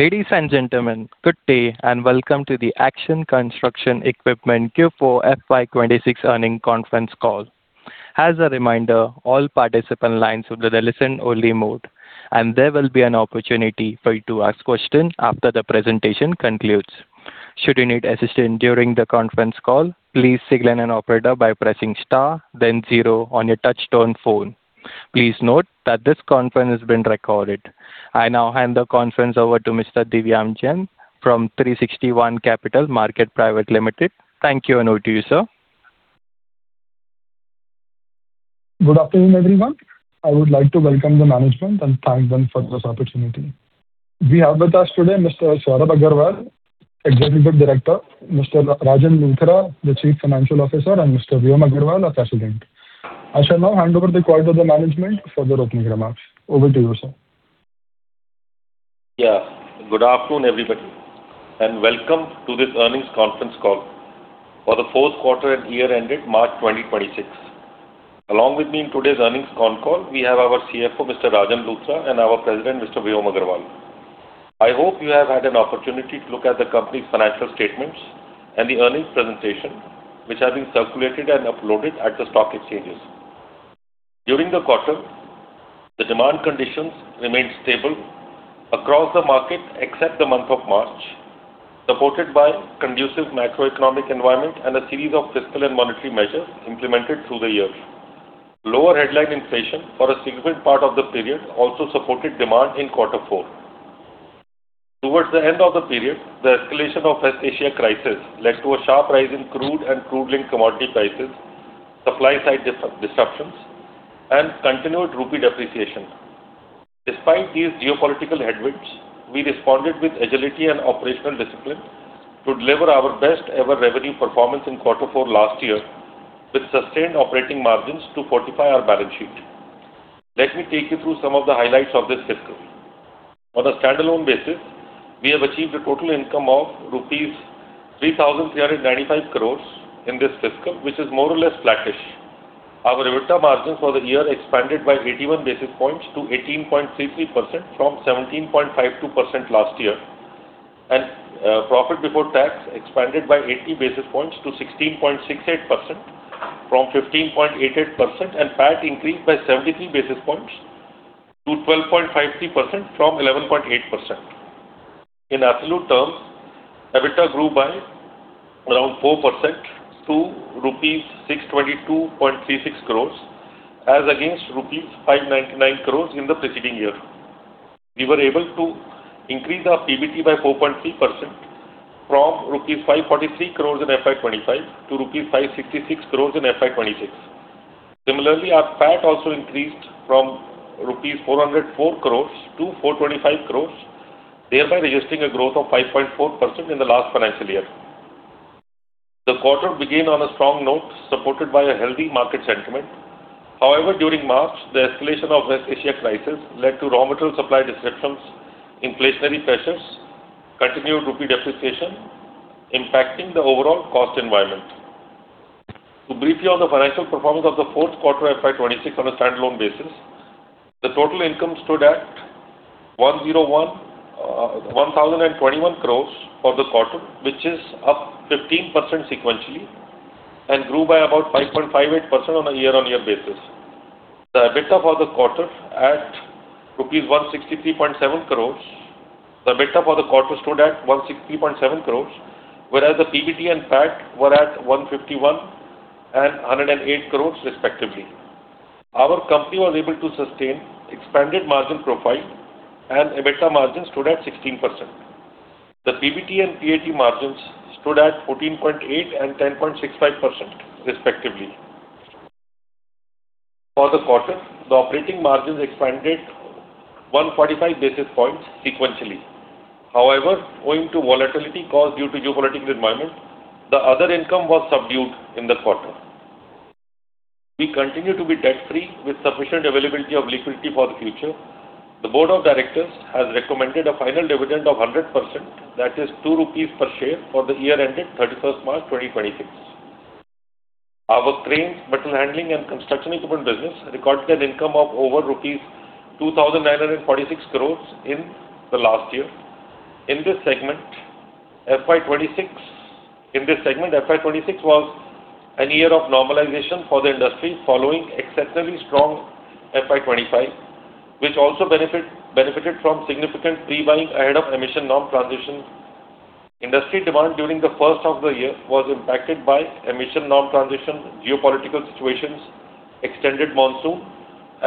Ladies and gentlemen, good day, and welcome to the Action Construction Equipment Q4 FY 2026 earnings conference call. As a reminder, all participant lines will be in listen-only mode, and there will be an opportunity for you to ask questions after the presentation concludes. Should you need assistance during the conference call, please signal an operator by pressing star then zero on your touch-tone phone. Please note that this conference is being recorded. I now hand the conference over to Mr. Divyam Jain from 360 ONE Capital Market Private Limited. Thank you. Over to you, sir. Good afternoon, everyone. I would like to welcome the management and thank them for this opportunity. We have with us today Mr. Sorab Agarwal, Executive Director; Mr. Rajan Luthra, the Chief Financial Officer; and Mr. Vyom Agarwal, our President. I shall now hand over the call to the management for their opening remarks. Over to you, sir. Yeah. Good afternoon, everybody, and welcome to this earnings conference call for the fourth quarter and year ended March 2026. Along with me in today's earnings con call, we have our CFO, Mr. Rajan Luthra, and our President, Mr. Vyom Agarwal. I hope you have had an opportunity to look at the company's financial statements and the earnings presentation, which have been circulated and uploaded at the stock exchanges. During the quarter, the demand conditions remained stable across the market except the month of March, supported by conducive macroeconomic environment and a series of fiscal and monetary measures implemented through the year. Lower headline inflation for a significant part of the period also supported demand in quarter four. Towards the end of the period, the escalation of West Asia crisis led to a sharp rise in crude and crude linked commodity prices, supply-side disruptions, and continued rupee depreciation. Despite these geopolitical headwinds, we responded with agility and operational discipline to deliver our best-ever revenue performance in quarter four last year, with sustained operating margins to fortify our balance sheet. Let me take you through some of the highlights of this fiscal. On a standalone basis, we have achieved a total income of rupees 3,395 crores in this fiscal, which is more or less flattish. Our EBITDA margin for the year expanded by 81 basis points to 18.33% from 17.52% last year, and profit before tax expanded by 80 basis points to 16.68% from 15.88%, and PAT increased by 73 basis points to 12.53% from 11.8%. In absolute terms, EBITDA grew by around 4% to rupees 622.36 crores as against rupees 599 crores in the preceding year. We were able to increase our PBT by 4.3% from rupees 543 crores in FY 2025 to rupees 566 crores in FY 2026. Similarly, our PAT also increased from rupees 404 crores to 425 crores, thereby registering a growth of 5.4% in the last financial year. The quarter began on a strong note, supported by a healthy market sentiment. However, during March, the escalation of West Asia crisis led to raw material supply disruptions, inflationary pressures, continued rupee depreciation, impacting the overall cost environment. To brief you on the financial performance of the fourth quarter FY 2026 on a standalone basis, the total income stood at 1,021 crores for the quarter, which is up 15% sequentially and grew by about 5.58% on a year-on-year basis. The EBITDA for the quarter at rupees 163.7 crores. The EBITDA for the quarter stood at 163.7 crores, whereas the PBT and PAT were at 151 and 108 crores respectively. Our company was able to sustain expanded margin profile, EBITDA margin stood at 16%. The PBT and PAT margins stood at 14.8 and 10.65% respectively. For the quarter, the operating margins expanded 145 basis points sequentially. However, owing to volatility caused due to geopolitical environment, the other income was subdued in the quarter. We continue to be debt-free with sufficient availability of liquidity for the future. The Board of Directors has recommended a final dividend of 100%, that is 2 rupees per share for the year ended 31st March 2026. Our cranes, material handling, and construction equipment business recorded an income of over rupees 2,946 crores in the last year. In this segment, FY 2026 was a year of normalization for the industry following exceptionally strong FY 2025, which also benefited from significant pre-buying ahead of emission norm transition. Industry demand during the first half of the year was impacted by emission norm transition, geopolitical situations, extended monsoon,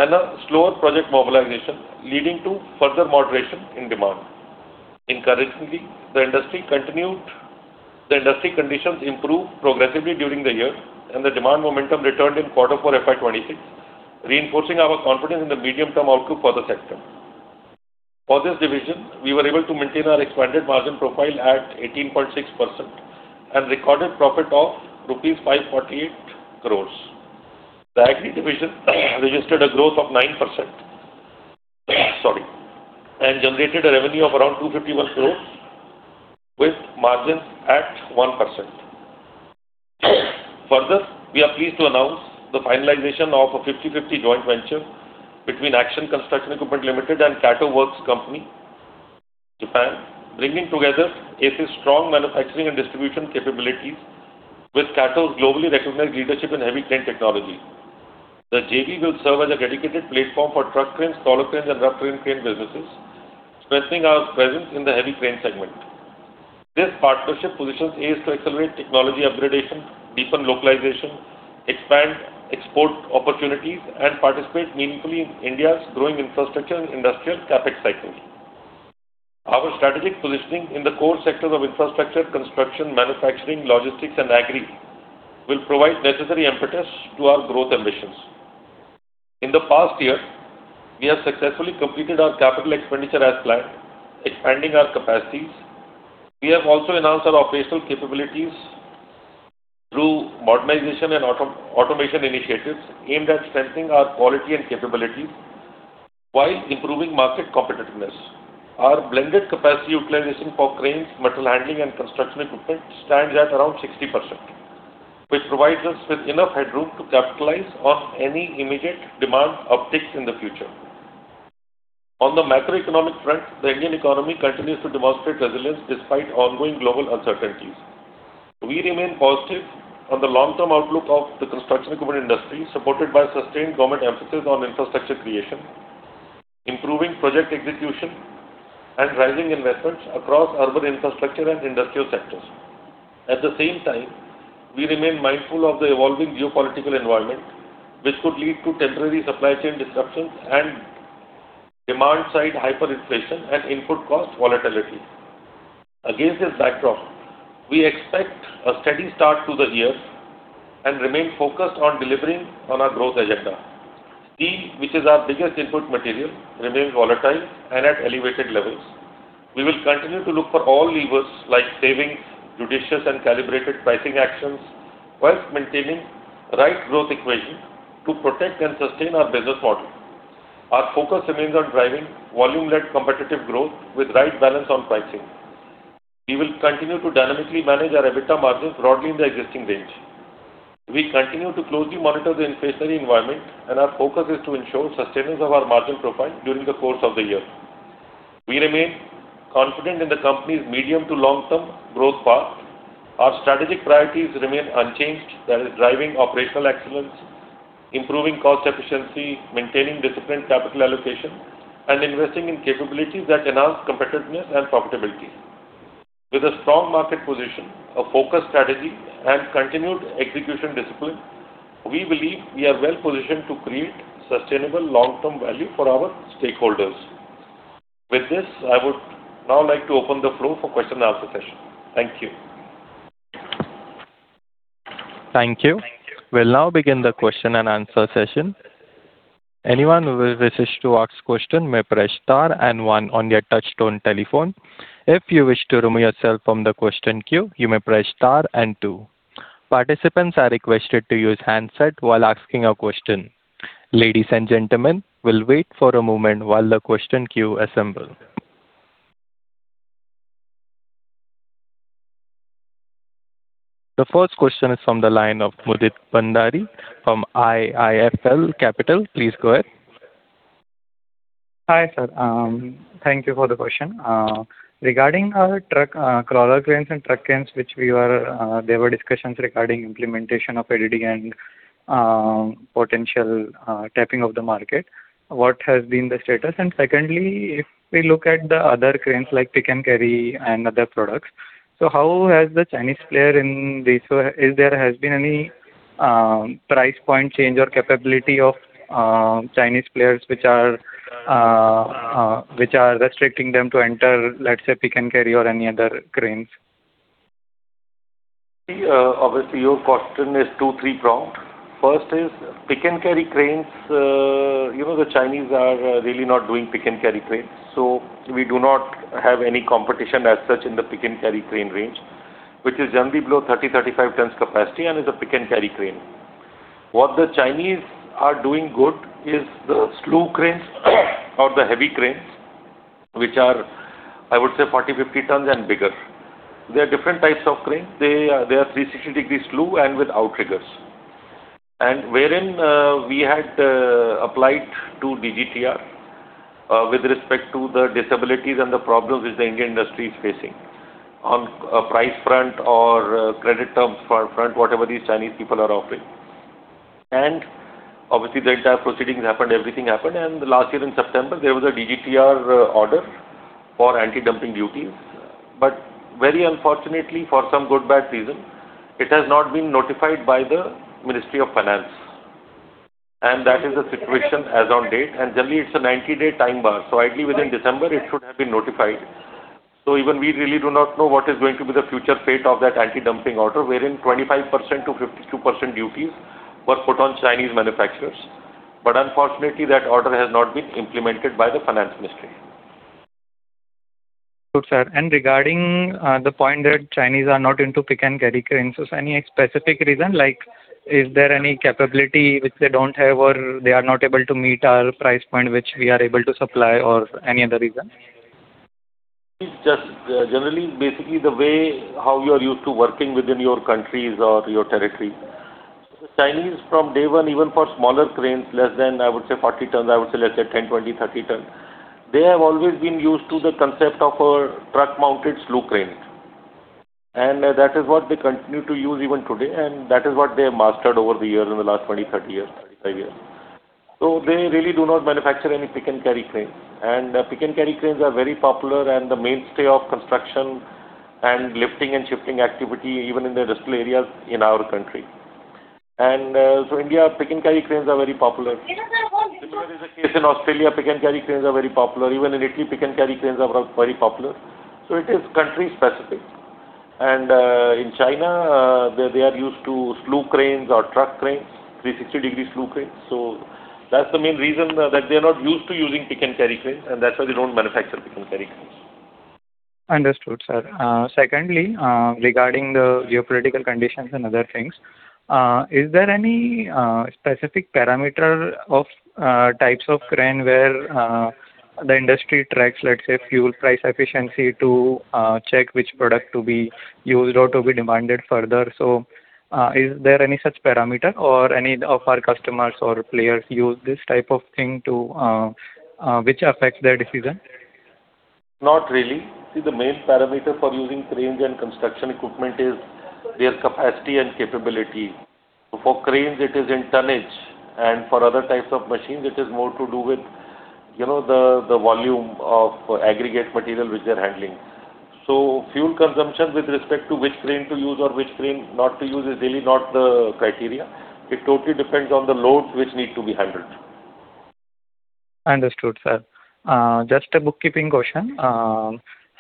and a slower project mobilization, leading to further moderation in demand. Encouragingly, the industry conditions improved progressively during the year, the demand momentum returned in Q4 FY2026, reinforcing our confidence in the medium-term outlook for the sector. For this division, we were able to maintain our expanded margin profile at 18.6% and recorded profit of rupees 548 crores. The agri division registered a growth of 9%. Sorry. Generated a revenue of around 251 crores with margin at 1%. Further, we are pleased to announce the finalization of a 50/50 joint venture between Action Construction Equipment Limited and Kato Works Co., Ltd., Japan, bringing together ACE's strong manufacturing and distribution capabilities with Kato's globally recognized leadership in heavy crane technology. The JV will serve as a dedicated platform for truck cranes, crawler cranes, and rough terrain crane businesses, strengthening our presence in the heavy crane segment. This partnership positions ACE to accelerate technology upgradation, deepen localization, expand export opportunities, and participate meaningfully in India's growing infrastructure and industrial CapEx cycling. Our strategic positioning in the core sectors of infrastructure, construction, manufacturing, logistics, and agri will provide necessary impetus to our growth ambitions. In the past year, we have successfully completed our capital expenditure as planned, expanding our capacities. We have also enhanced our operational capabilities through modernization and automation initiatives aimed at strengthening our quality and capabilities while improving market competitiveness. Our blended capacity utilization for cranes, material handling, and construction equipment stands at around 60%, which provides us with enough headroom to capitalize on any immediate demand upticks in the future. On the macroeconomic front, the Indian economy continues to demonstrate resilience despite ongoing global uncertainties. We remain positive on the long-term outlook of the construction equipment industry, supported by sustained government emphasis on infrastructure creation, improving project execution, and rising investments across urban infrastructure and industrial sectors. At the same time, we remain mindful of the evolving geopolitical environment, which could lead to temporary supply chain disruptions and demand-side hyperinflation and input cost volatility. Against this backdrop, we expect a steady start to the year and remain focused on delivering on our growth agenda. Steel, which is our biggest input material, remains volatile and at elevated levels. We will continue to look for all levers like savings, judicious and calibrated pricing actions whilst maintaining the right growth equation to protect and sustain our business model. Our focus remains on driving volume-led competitive growth with the right balance on pricing. We will continue to dynamically manage our EBITDA margins broadly in the existing range. We continue to closely monitor the inflationary environment, and our focus is to ensure the sustenance of our margin profile during the course of the year. We remain confident in the company's medium to long-term growth path. Our strategic priorities remain unchanged, that is, driving operational excellence, improving cost efficiency, maintaining disciplined capital allocation, and investing in capabilities that enhance competitiveness and profitability. With a strong market position, a focused strategy, and continued execution discipline, we believe we are well positioned to create sustainable long-term value for our stakeholders. With this, I would now like to open the floor for the question-and-answer session. Thank you. Thank you. We'll now begin the question-and-answer session. Anyone who wishes to ask a question may press star and one on your touchtone telephone. If you wish to remove yourself from the question queue, you may press star and two. Participants are requested to use a handset while asking a question. Ladies and gentlemen, we'll wait for a moment while the question queue assembles. The first question is from the line of Mudit Bhandari from IIFL Capital. Please go ahead. Hi, sir. Thank you for the question. Regarding our crawler cranes and truck cranes, there were discussions regarding implementation of AD and potential tapping of the market. What has been the status? Secondly, if we look at the other cranes like pick and carry and other products, has there been any price point change or capability of Chinese players, which are restricting them to enter, let’s say, pick and carry or any other cranes? Your question is two, three-pronged. First is pick and carry cranes. The Chinese are really not doing pick and carry cranes, we do not have any competition as such in the pick and carry crane range, which is generally below 30, 35 tons capacity and is a pick and carry crane. What the Chinese are doing good is the slew cranes or the heavy cranes, which are, I would say, 40, 50 tons and bigger. They are different types of cranes. They are 360-degree slew and with outriggers. Wherein we had applied to DGTR with respect to the disabilities and the problems which the Indian industry is facing on price front or credit terms front, whatever these Chinese people are offering. The entire proceedings happened, everything happened. Last year in September, there was a DGTR order for anti-dumping duties. Very unfortunately, for some good bad reason, it has not been notified by the Ministry of Finance. That is the situation as of date. Generally, it's a 90-day time bar. Ideally, within December, it should have been notified. Even we really do not know what is going to be the future fate of that anti-dumping order, wherein 25%-52% duties were put on Chinese manufacturers. Unfortunately, that order has not been implemented by the Finance Ministry. Good, sir. Regarding the point that Chinese are not into pick and carry cranes, is any specific reason, like is there any capability which they don't have, or they are not able to meet our price point which we are able to supply or any other reason? Just generally, basically the way how you are used to working within your countries or your territory. Chinese from day one, even for smaller cranes, less than I would say 40 tons, I would say let's say 10, 20, 30 tons, they have always been used to the concept of a truck-mounted slew crane. That is what they continue to use even today, and that is what they have mastered over the years, in the last 20, 30, 35 years. They really do not manufacture any pick and carry cranes. Pick and carry cranes are very popular and the mainstay of construction and lifting and shifting activity, even in the rural areas in our country. India, pick and carry cranes are very popular. Similar is the case in Australia, pick and carry cranes are very popular. Even in Italy, pick and carry cranes are very popular. It is country specific. In China, they are used to slew cranes or truck cranes, 360 degree slew cranes. That's the main reason that they're not used to using pick and carry cranes, and that's why they don't manufacture pick and carry cranes. Understood, sir. Regarding the geopolitical conditions and other things, is there any specific parameter of types of crane where the industry tracks, let's say, fuel price efficiency to check which product to be used or to be demanded further? Is there any such parameter or any of our customers or players use this type of thing which affects their decision? Not really. See, the main parameter for using cranes and construction equipment is their capacity and capability. For cranes, it is in tonnage, and for other types of machines, it is more to do with the volume of aggregate material which they're handling. Fuel consumption with respect to which crane to use or which crane not to use is really not the criteria. It totally depends on the load which need to be handled. Understood, sir. Just a bookkeeping question.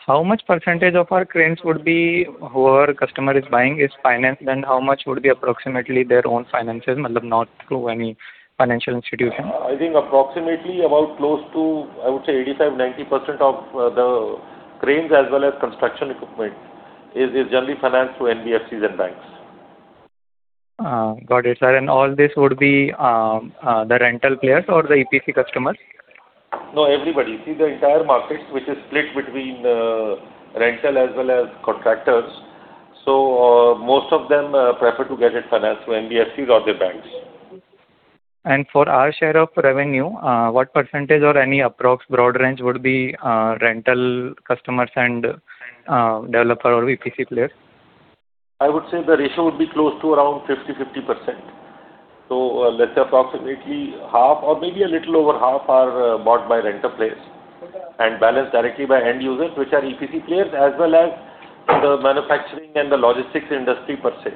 How much percentage of our cranes would be, whoever customer is buying is financed, then how much would be approximately their own finances, not through any financial institution? I think approximately about close to, I would say 85-90% of the cranes as well as construction equipment is generally financed through NBFCs and banks. Got it, sir. All this would be the rental players or the EPC customers? No, everybody. See, the entire market, which is split between rental as well as contractors. Most of them prefer to get it financed through NBFCs or the banks. For our share of revenue, what percentage or any approx broad range would be rental customers and developer or EPC players? I would say the ratio would be close to around 50/50%. Let's say approximately half or maybe a little over half are bought by rental players and balanced directly by end users, which are EPC players, as well as the manufacturing and the logistics industry per se.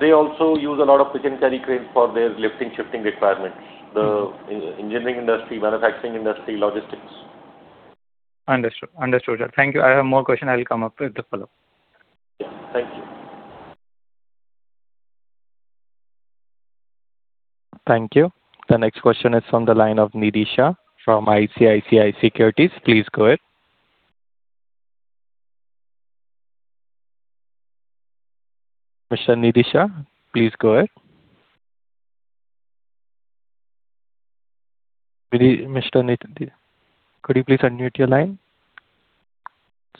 They also use a lot of pick and carry cranes for their lifting, shifting requirements. The engineering industry, manufacturing industry, logistics. Understood, sir. Thank you. I have more question, I'll come up with the follow-up. Yeah. Thank you. Thank you. The next question is from the line of Nidhi Shah from ICICI Securities. Please go ahead. Mr. Nidhi Shah, please go ahead. Mr. Nidhi Shah, could you please unmute your line?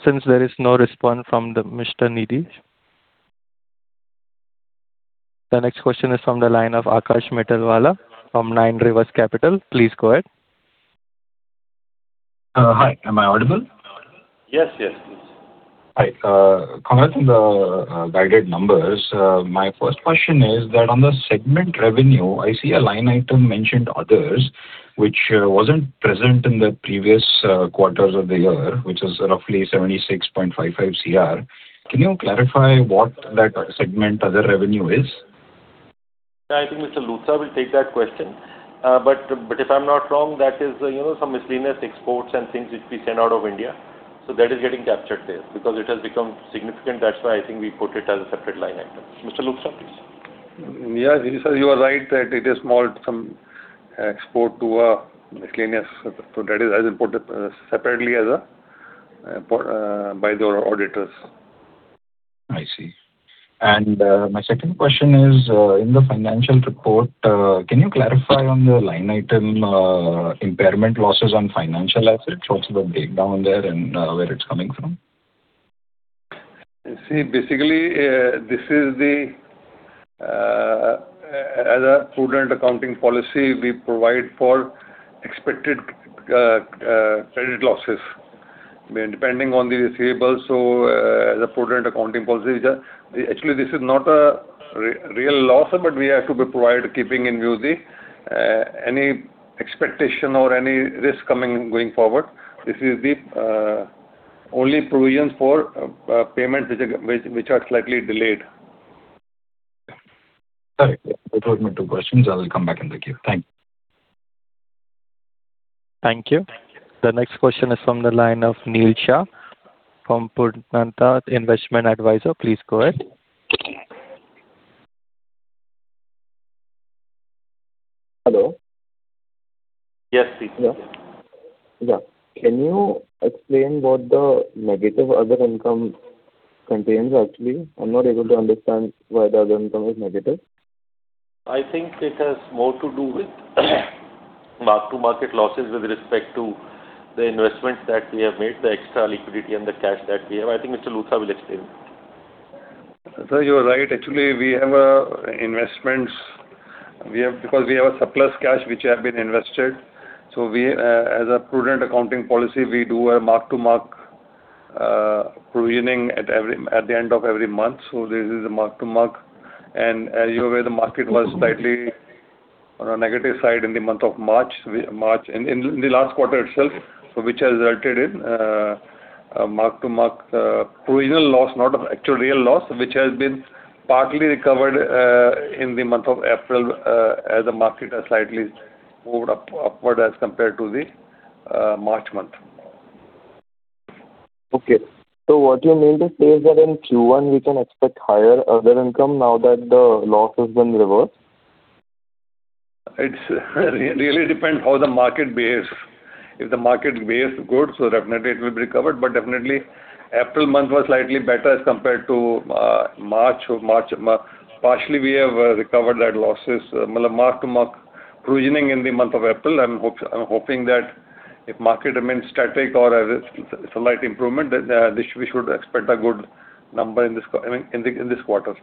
Since there is no response from Mr. Nidhi Shah, the next question is from the line of [Akash Metalwala] from Nine Rivers Capital. Please go ahead. Hi, am I audible? Yes, please. Hi. Comment on the guided numbers. My first question is that on the segment revenue, I see a line item mentioned others, which wasn't present in the previous quarters of the year, which is roughly 76.55 crore. Can you clarify what that segment other revenue is? I think Mr. Luthra will take that question. If I'm not wrong, that is some miscellaneous exports and things which we send out of India. That is getting captured there because it has become significant. That's why I think we put it as a separate line item. Mr. Luthra, please. Yeah, you are right that it is small, some export to a miscellaneous. That is as imported separately by the auditors. I see. My second question is, in the financial report, can you clarify on the line item impairment losses on financial assets? What's the breakdown there and where it's coming from? Basically, as a prudent accounting policy, we provide for expected credit losses. Depending on the receivables, as a prudent accounting policy, actually, this is not a real loss, but we have to provide, keeping in view any expectation or any risk going forward. This is the only provisions for payments which are slightly delayed. Sorry. Those were my two questions. I will come back in the queue. Thank you. Thank you. The next question is from the line of [Nil Shah] from Investment Advisor. Please go ahead. Hello. Yes, please. Yeah. Can you explain what the negative other income contains actually? I am not able to understand why the other income is negative. I think it has more to do with mark-to-market losses with respect to the investments that we have made, the extra liquidity and the cash that we have. I think Mr. Luthra will explain. Sir, you are right. Actually, we have investments because we have a surplus cash which has been invested. As a prudent accounting policy, we do a mark-to-market provisioning at the end of every month. This is a mark-to-market. As you're aware, the market was slightly on a negative side in the month of March, in the last quarter itself, which has resulted in mark-to-market provisional loss, not an actual real loss, which has been partly recovered in the month of April, as the market has slightly moved upward as compared to the March month. Okay. what you mean to say is that in Q1, we can expect higher other income now that the loss has been reversed? It really depends how the market behaves. If the market behaves good, definitely it will be recovered, definitely April month was slightly better as compared to March. Partially, we have recovered that losses, mark-to-market provisioning in the month of April. I'm hoping that if market remains static or has a slight improvement, we should expect a good number in this quarter.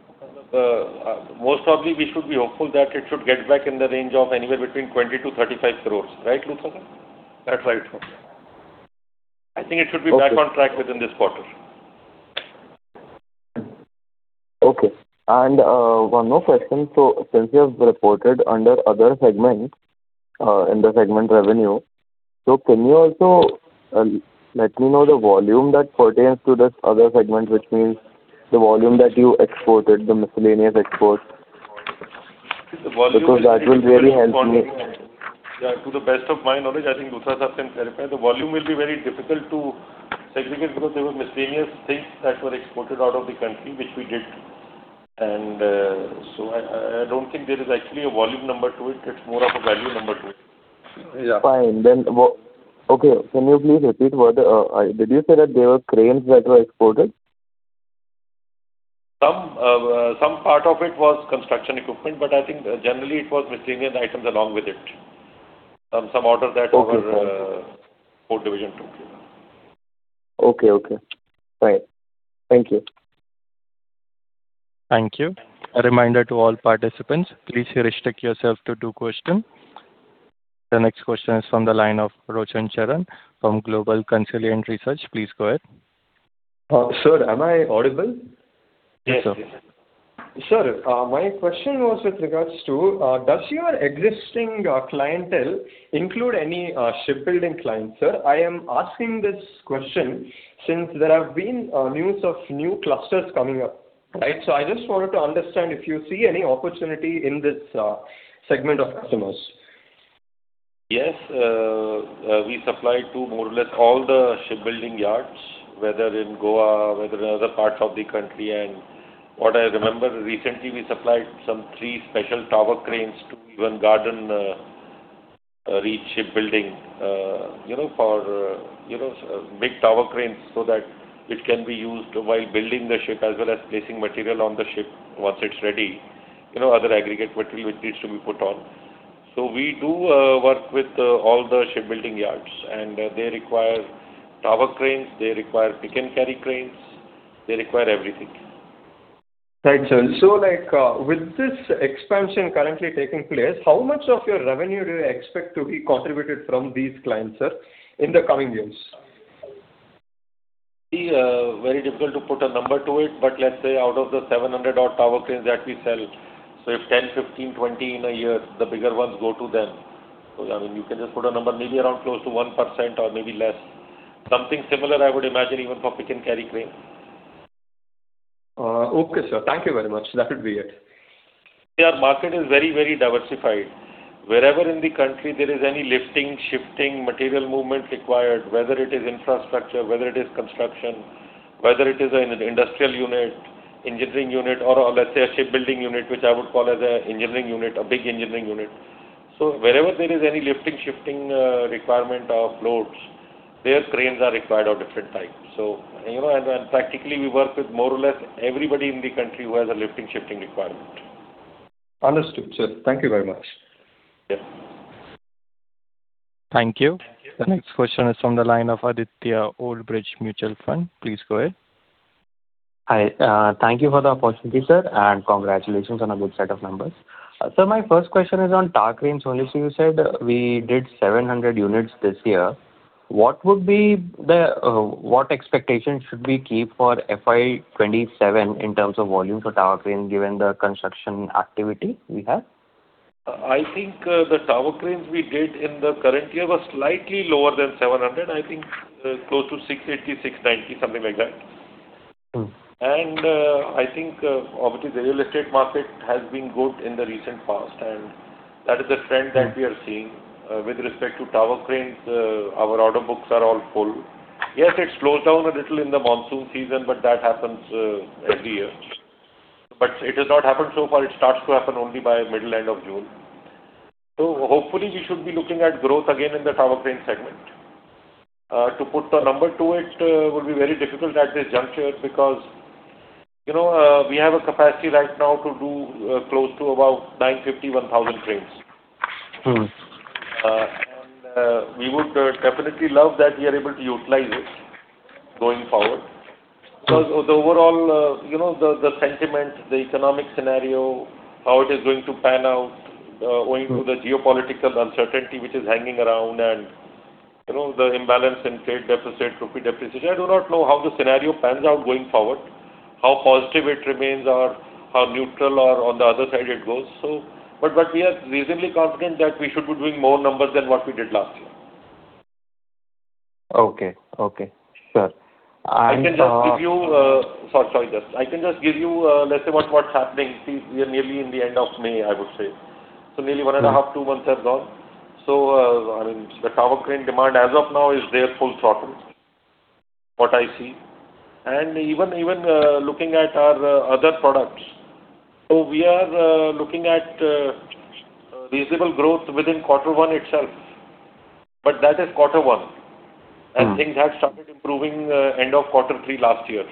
Most probably, we should be hopeful that it should get back in the range of anywhere between 20 crore-35 crore. Right, Luthra? That's right. I think it should be back on track within this quarter. Okay. One more question. Since you have reported under other segments, in the segment revenue, can you also let me know the volume that pertains to this other segment, which means the volume that you exported, the miscellaneous exports? The volume- Because that will really help me. To the best of my knowledge, I think Luthra can clarify. The volume will be very difficult to segregate because there were miscellaneous things that were exported out of the country, which we did. I don't think there is actually a volume number to it. It's more of a value number to it. Yeah. Fine. Okay. Can you please repeat? Did you say that there were cranes that were exported? Some part of it was construction equipment, but I think generally it was miscellaneous items along with it. Some orders that were for division two. Okay. Fine. Thank you. Thank you. A reminder to all participants, please restrict yourself to 2 questions. The next question is from the line of Rochan Charan from Global Consilient Research. Please go ahead. Sir, am I audible? Yes. Sir, my question was with regards to, does your existing clientele include any shipbuilding clients, sir? I am asking this question since there have been news of new clusters coming up. I just wanted to understand if you see any opportunity in this segment of customers. Yes. We supply to more or less all the shipbuilding yards, whether in Goa, whether in other parts of the country. What I remember, recently, we supplied some three special tower cranes to even Garden Reach shipbuilding. Big tower cranes so that it can be used while building the ship, as well as placing material on the ship once it's ready. Other aggregate material which needs to be put on. We do work with all the shipbuilding yards, they require tower cranes, they require pick and carry cranes, they require everything. Right, sir. With this expansion currently taking place, how much of your revenue do you expect to be contributed from these clients, sir, in the coming years? Very difficult to put a number to it, but let's say out of the 700 odd tower cranes that we sell, so if 10, 15, 20 in a year, the bigger ones go to them. You can just put a number maybe around close to 1% or maybe less. Something similar I would imagine even for pick and carry crane. Okay, sir. Thank you very much. That would be it. Our market is very diversified. Wherever in the country there is any lifting, shifting, material movement required, whether it is infrastructure, whether it is construction, whether it is an industrial unit, engineering unit, or let's say, a shipbuilding unit, which I would call as an engineering unit, a big engineering unit. Wherever there is any lifting, shifting requirement of loads, their cranes are required of different types. Practically, we work with more or less everybody in the country who has a lifting, shifting requirement. Understood, sir. Thank you very much. Yes. Thank you. The next question is from the line of Aditya, Old Bridge Mutual Fund. Please go ahead. Hi. Thank you for the opportunity, sir, and congratulations on a good set of numbers. Sir, my first question is on tower cranes only. You said we did 700 units this year. What expectations should we keep for FY 2027 in terms of volume for tower crane, given the construction activity we have? I think the tower cranes we did in the current year were slightly lower than 700. I think close to 680, 690, something like that. I think, obviously, the real estate market has been good in the recent past, and that is the trend that we are seeing. With respect to tower cranes, our order books are all full. Yes, it slows down a little in the monsoon season, but that happens every year. It has not happened so far. It starts to happen only by middle end of June. Hopefully, we should be looking at growth again in the tower crane segment. To put a number to it will be very difficult at this juncture because we have a capacity right now to do close to about 950-1,000 cranes. We would definitely love that we are able to utilize it going forward. The overall sentiment, the economic scenario, how it is going to pan out, owing to the geopolitical uncertainty which is hanging around, and the imbalance in trade deficit, rupee depreciation, I do not know how the scenario pans out going forward, how positive it remains, or how neutral or on the other side it goes. We are reasonably confident that we should be doing more numbers than what we did last year. Okay. Sure. I can just give you Sorry, Aditya. I can just give you, let's say what's happening. See, we are nearly in the end of May, I would say. Nearly one and a half, two months have gone. The tower crane demand as of now is their full throttle, what I see. Even looking at our other products. We are looking at reasonable growth within quarter one itself, but that is quarter one, and things had started improving end of quarter three last year.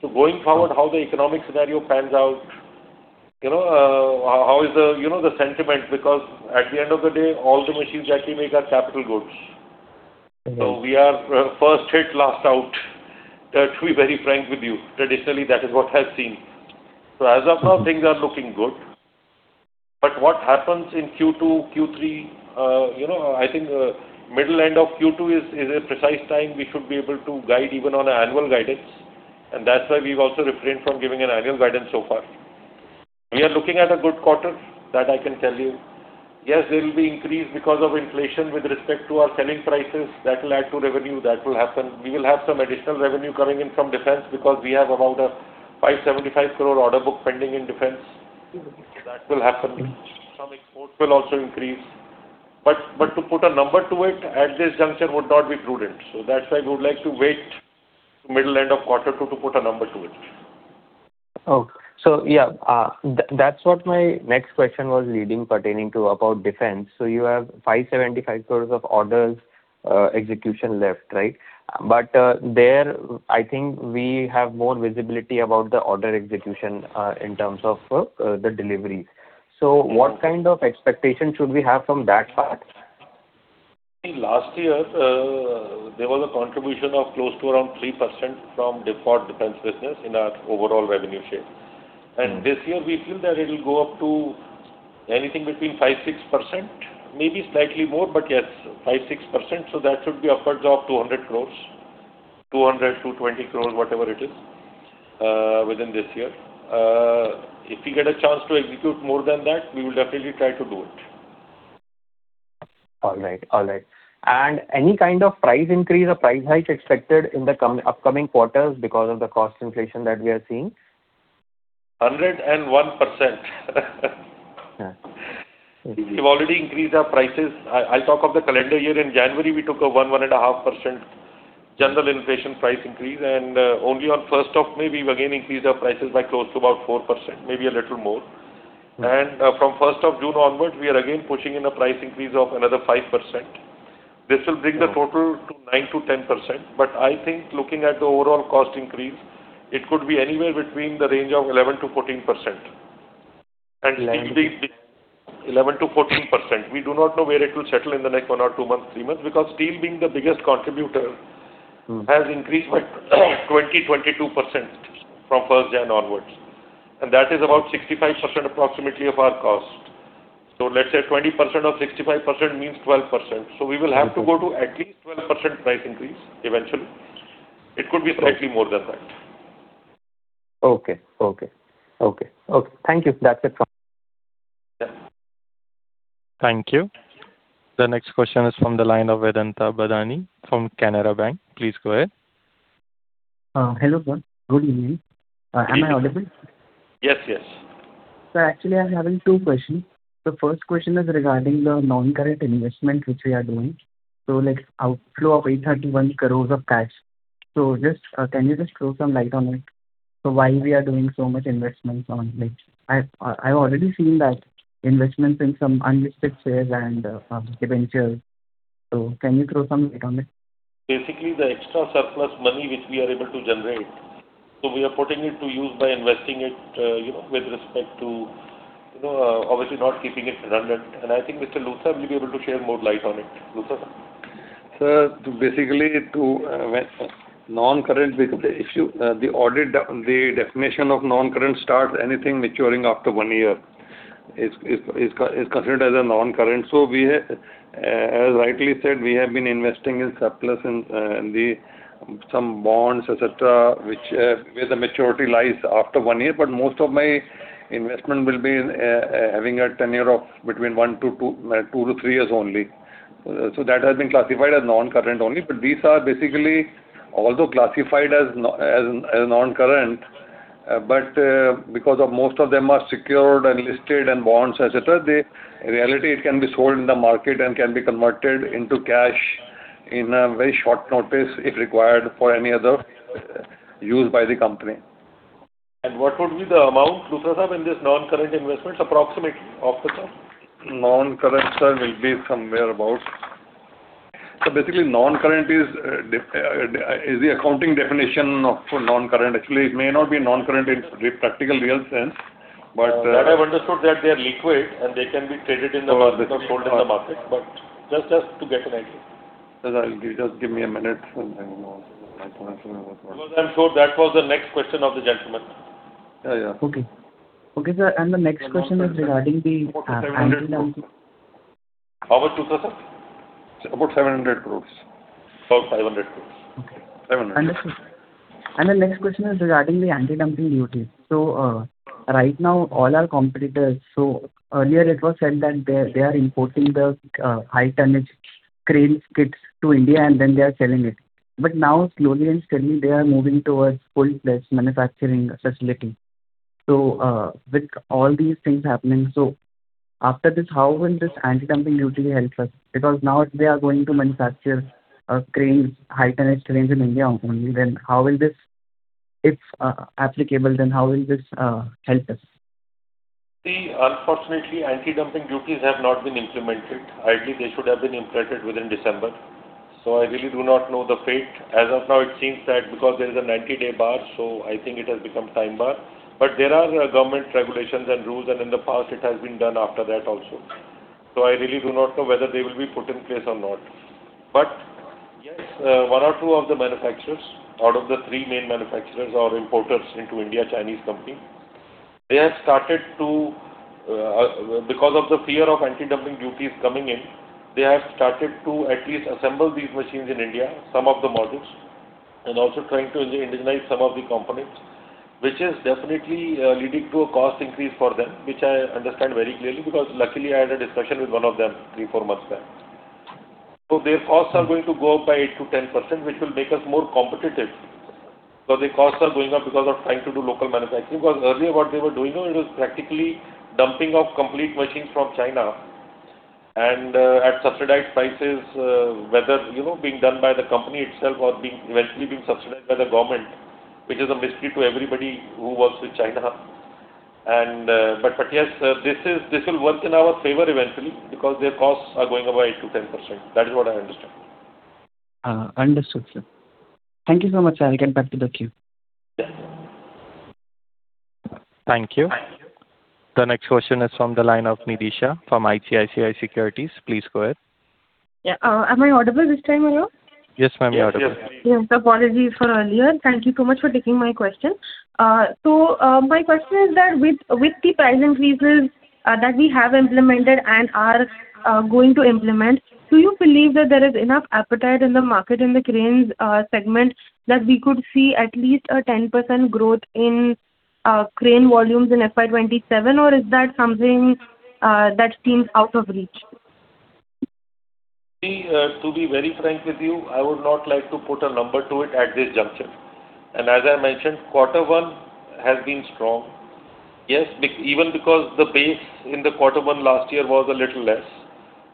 Going forward, how the economic scenario pans out, how is the sentiment because, at the end of the day, all the machines that we make are capital goods. We are first hit, last out, to be very frank with you. Traditionally, that is what has been. As of now, things are looking good. What happens in Q2, Q3, I think middle end of Q2 is a precise time we should be able to guide even on annual guidance. That's why we've also refrained from giving an annual guidance so far. We are looking at a good quarter. That I can tell you. Yes, there will be increase because of inflation with respect to our selling prices. That will add to revenue. That will happen. We will have some additional revenue coming in from defense because we have about a 575 crore order book pending in defense. That will happen. Some exports will also increase. To put a number to it at this juncture would not be prudent. That's why we would like to wait till middle end of quarter two to put a number to it. That's what my next question was leading pertaining to about defense. You have 575 crores of orders execution left, right? There, I think we have more visibility about the order execution, in terms of the deliveries. What kind of expectation should we have from that part? Last year, there was a contribution of close to around 3% from default defense business in our overall revenue share. This year, we feel that it'll go up to anything between 5% and 6%, maybe slightly more, but yes, 5%, 6%. That should be upwards of 200 crores, 200, 220 crores, whatever it is, within this year. If we get a chance to execute more than that, we will definitely try to do it. All right. Any kind of price increase or price hike expected in the upcoming quarters because of the cost inflation that we are seeing? 101%. Yeah. We've already increased our prices. I'll talk of the calendar year. In January, we took a 1.5% general inflation price increase, and only on 1st of May, we again increased our prices by close to about 4%, maybe a little more. From 1st of June onwards, we are again pushing in a price increase of another 5%. This will bring the total to 9%-10%. I think looking at the overall cost increase, it could be anywhere between the range of 11%-14%. 11%- 11%-14%. We do not know where it will settle in the next one or two months, three months, because steel being the biggest contributor has increased by 20%, 22% from 1st January onwards. That is about 65% approximately of our cost. Let's say 20% of 65% means 12%. We will have to go to at least 12% price increase eventually. It could be slightly more than that. Okay. Thank you. That's it from. Thank you. The next question is from the line of Vedanta Bhadani from Canara Bank. Please go ahead. Hello. Good evening. Am I audible? Yes. Sir, actually, I'm having two questions. The first question is regarding the non-current investment which we are doing. Like outflow of 831 crores of cash. Can you just throw some light on it? Why we are doing so much investments on like I've already seen that investments in some unlisted shares and debentures. Can you throw some light on it? The extra surplus money which we are able to generate, we are putting it to use by investing it with respect to obviously not keeping it redundant. I think Mr. Luthra will be able to share more light on it. Luthra. Sir, basically, the definition of non-current starts anything maturing after one year is considered as a non-current. As rightly said, we have been investing in surplus in some bonds, et cetera, where the maturity lies after one year. Most of my investment will be having a tenure of between one to 2 to 3 years only. That has been classified as non-current only. These are basically, although classified as non-current, but because of most of them are secured and listed and bonds, et cetera, the reality it can be sold in the market and can be converted into cash in a very short notice if required for any other use by the company. What would be the amount, Mr. Luthra, in these non-current investments approximately, off the top? Non-current, sir, will be somewhere about. Basically, non-current is the accounting definition of non-current. Actually, it may not be non-current in practical, real sense. That I've understood that they're liquid, and they can be traded in the market or sold in the market. Just to get an idea. Sir, just give me a minute and I will let you know. I'm sure that was the next question of the gentleman. Yeah. Okay. Okay, sir. The next question is regarding the anti-dumping. How much, Mr. Luthra? About 700 crores. About 500 crores. Okay. 700 crores. Understood. The next question is regarding the anti-dumping duty. Right now, all our competitors, earlier it was said that they are importing the high tonnage cranes kits to India and then they are selling it. Now, slowly and steadily, they are moving towards full-fledged manufacturing facility. With all these things happening, after this, how will this anti-dumping duty help us? Because now they are going to manufacture high tonnage cranes in India only. If applicable, how will this help us? See, unfortunately, anti-dumping duties have not been implemented. Ideally, they should have been implemented within December. I really do not know the fate. As of now, it seems that because there is a 90-day bar, so I think it has become time-barred. There are government regulations and rules, and in the past it has been done after that also. I really do not know whether they will be put in place or not. Yes, one or three of the manufacturers, out of the three main manufacturers or importers into India, Chinese company, because of the fear of anti-dumping duties coming in, they have started to at least assemble these machines in India, some of the models, and also trying to indigenize some of the components, which is definitely leading to a cost increase for them, which I understand very clearly because luckily I had a discussion with one of them three, four months back. Their costs are going to go up by 8%-10%, which will make us more competitive. Their costs are going up because of trying to do local manufacturing, because earlier what they were doing, it was practically dumping off complete machines from China and at subsidized prices, whether being done by the company itself or eventually being subsidized by the government, which is a mystery to everybody who works with China. Yes, this will work in our favor eventually because their costs are going up by 8%-10%. That is what I understand. Understood, sir. Thank you so much, sir. I will get back to the queue. Yes. Thank you. The next question is from the line of Nidhi Shah from ICICI Securities. Please go ahead. Yeah. Am I audible this time around? Yes, ma'am, you're audible. Yes. Yes. Apology for earlier. Thank you so much for taking my question. My question is that with the price increases that we have implemented and are going to implement, do you believe that there is enough appetite in the market in the cranes segment that we could see at least a 10% growth in crane volumes in FY 2027? Is that something that seems out of reach? Nidhi Shah, to be very frank with you, I would not like to put a number to it at this juncture. As I mentioned, quarter one has been strong. Yes, even because the base in the quarter one last year was a little less.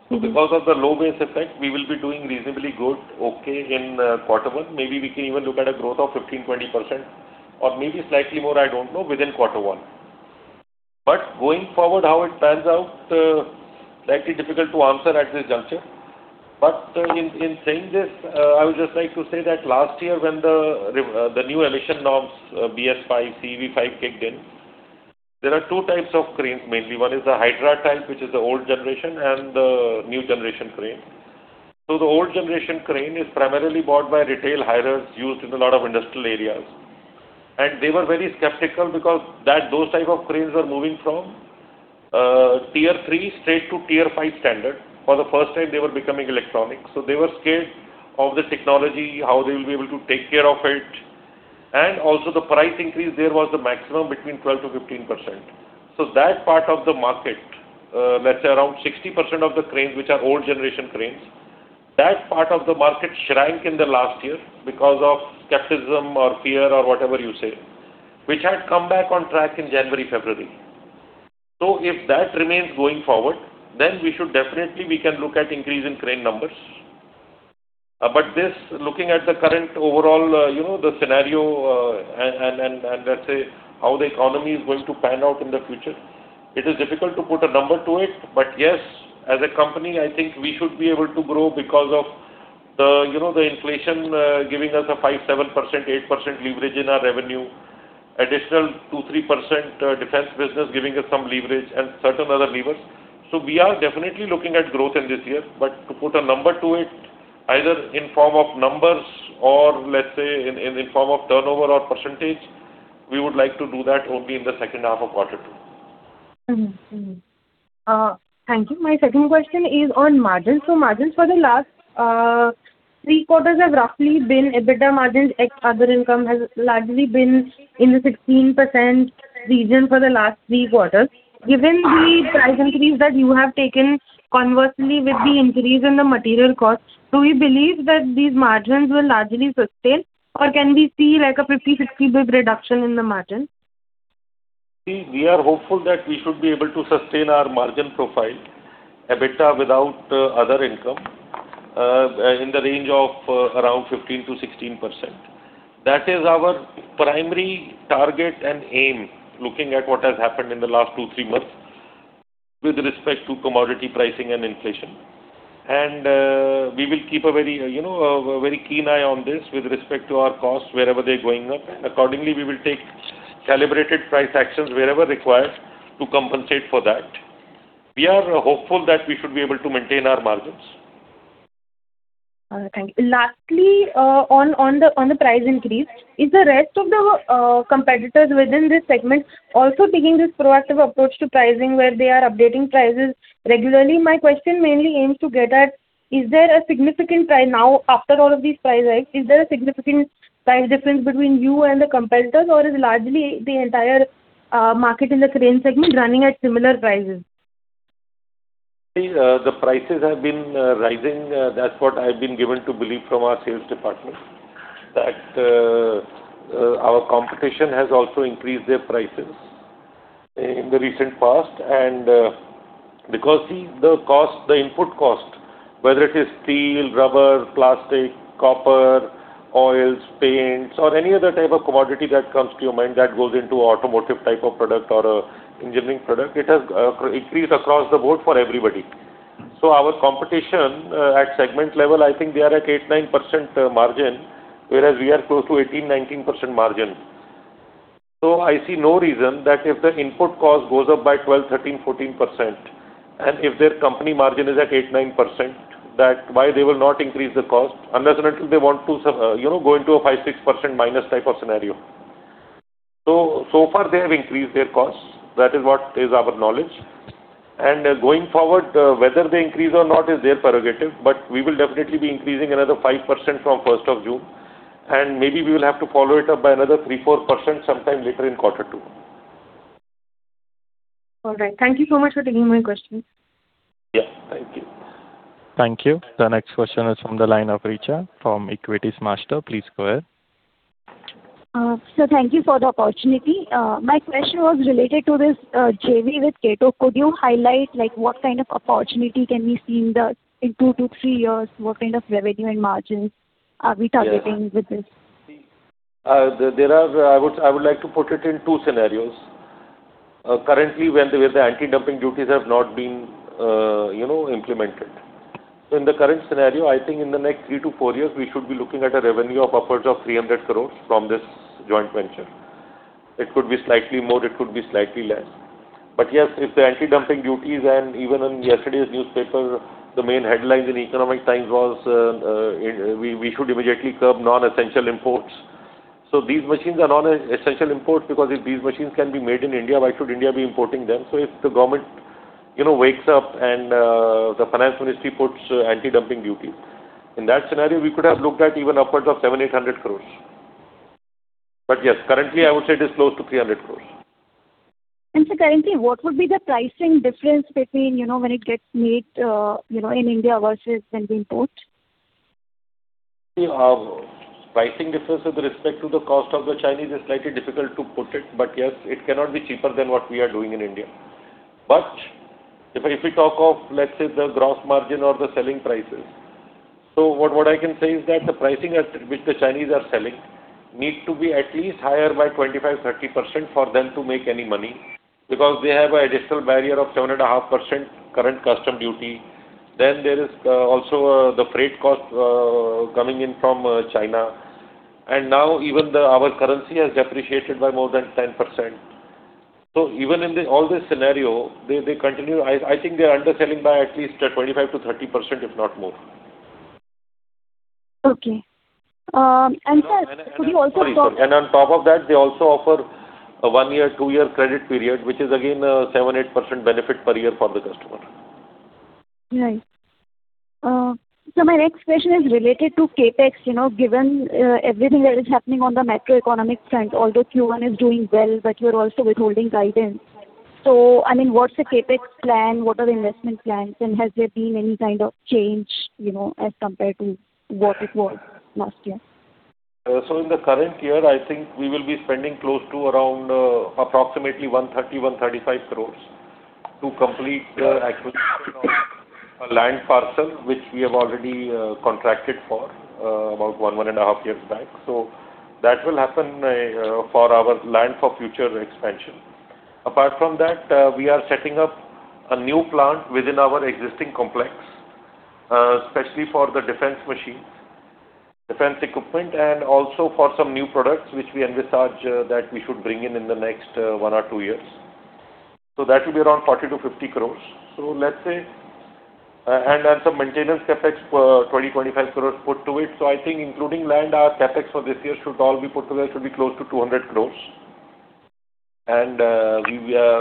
Because of the low base effect, we will be doing reasonably good, okay, in quarter one. Maybe we can even look at a growth of 15%-20%, or maybe slightly more, I don't know, within quarter one. Going forward, how it pans out, slightly difficult to answer at this juncture. In saying this, I would just like to say that last year when the new emission norms, BS-V/CEV Stage V kicked in, there are two types of cranes mainly. One is the Hydra type, which is the old generation, and the new generation crane. The old generation crane is primarily bought by retail hirers, used in a lot of industrial areas. They were very skeptical because those type of cranes were moving from Tier 3 straight to Tier 5 standard. For the first time, they were becoming electronic. They were scared of the technology, how they will be able to take care of it. Also the price increase there was the maximum between 12%-15%. That part of the market, let's say around 60% of the cranes, which are old generation cranes, that part of the market shrank in the last year because of skepticism or fear or whatever you say, which had come back on track in January, February. If that remains going forward, we should definitely, we can look at increase in crane numbers. Looking at the current overall scenario, and let's say how the economy is going to pan out in the future, it is difficult to put a number to it. Yes, as a company, I think we should be able to grow because of the inflation giving us a 5%, 7%, 8% leverage in our revenue, additional 2%, 3% defense business giving us some leverage and certain other levers. We are definitely looking at growth in this year. To put a number to it, either in form of numbers or let's say in form of turnover or percentage, we would like to do that only in the second half of quarter two. Thank you. My second question is on margins. Margins for the last three quarters have roughly been EBITDA margins ex other income has largely been in the 16% region for the last three quarters. Given the price increase that you have taken conversely with the increase in the material cost, do you believe that these margins will largely sustain, or can we see like a 50-60 basis reduction in the margin? We are hopeful that we should be able to sustain our margin profile, EBITDA without other income, in the range of around 15%-16%. That is our primary target and aim, looking at what has happened in the last two, months with respect to commodity pricing and inflation. We will keep a very keen eye on this with respect to our costs wherever they're going up. Accordingly, we will take calibrated price actions wherever required to compensate for that. We are hopeful that we should be able to maintain our margins. Thank you. Lastly, on the price increase, is the rest of the competitors within this segment also taking this proactive approach to pricing where they are updating prices regularly? My question mainly aims to get at, now, after all of these price hikes, is there a significant price difference between you and the competitors, or is largely the entire market in the crane segment running at similar prices? See, the prices have been rising. That's what I've been given to believe from our sales department, that our competition has also increased their prices in the recent past. Because the input cost, whether it is steel, rubber, plastic, copper, oils, paints, or any other type of commodity that comes to your mind that goes into automotive type of product or engineering product, it has increased across the board for everybody. Our competition at segment level, I think they are at 8%-9% margin, whereas we are close to 18%-19% margin. I see no reason that if the input cost goes up by 12%, 13%, 14%, and if their company margin is at 8%-9%, that why they will not increase the cost unless and until they want to go into a 5%-6% minus type of scenario. So far, they have increased their costs. That is what is our knowledge. Going forward, whether they increase or not is their prerogative, but we will definitely be increasing another 5% from 1st of June, and maybe we will have to follow it up by another 3%, 4% sometime later in quarter two. All right. Thank you so much for taking my questions. Yeah, thank you. Thank you. The next question is from the line of Richa from Equitymaster. Please go ahead. Sir, thank you for the opportunity. My question was related to this JV with Kato. Could you highlight what kind of opportunity can be seen in two to three years? What kind of revenue and margins are we targeting with this? I would like to put it in two scenarios. Currently, where the anti-dumping duties have not been implemented. In the current scenario, I think in the next three to four years, we should be looking at a revenue of upwards of 300 crores from this joint venture. It could be slightly more, it could be slightly less. Yes, if the anti-dumping duties, and even in yesterday's newspaper, the main headlines in The Economic Times was, we should immediately curb non-essential imports. These machines are non-essential imports because if these machines can be made in India, why should India be importing them? If the government wakes up and the finance ministry puts anti-dumping duties, in that scenario, we could have looked at even upwards of 700 crores-800 crores. Yes, currently I would say it is close to 300 crores. Sir, currently, what would be the pricing difference between when it gets made in India versus when being imported? Pricing difference with respect to the cost of the Chinese is slightly difficult to put it. Yes, it cannot be cheaper than what we are doing in India. If we talk of, let's say, the gross margin or the selling prices. What I can say is that the pricing at which the Chinese are selling needs to be at least higher by 25%-30% for them to make any money, because they have an additional barrier of 7.5% current custom duty. There is also the freight cost coming in from China. Now, even our currency has depreciated by more than 10%. Even in all this scenario, I think they're underselling by at least 25%-30%, if not more. Okay. sir, could you also Sorry. On top of that, they also offer a one-year, two-year credit period, which is again a 7%, 8% benefit per year for the customer. Right. Sir, my next question is related to CapEx. Given everything that is happening on the macroeconomic front, although Q1 is doing well, you're also withholding guidance. What's the CapEx plan? What are the investment plans? Has there been any kind of change as compared to what it was last year? In the current year, I think we will be spending close to around approximately 130-135 crores to complete the acquisition of a land parcel, which we have already contracted for about 1.5 Years back. That will happen for our land for future expansion. Apart from that, we are setting up a new plant within our existing complex, especially for the defense machines, defense equipment, and also for some new products, which we envisage that we should bring in in the next one or two years. That should be around 40-50 crores. Some maintenance CapEx, 20-25 crores put to it. I think including land, our CapEx for this year, should it all be put together, should be close to 200 crores.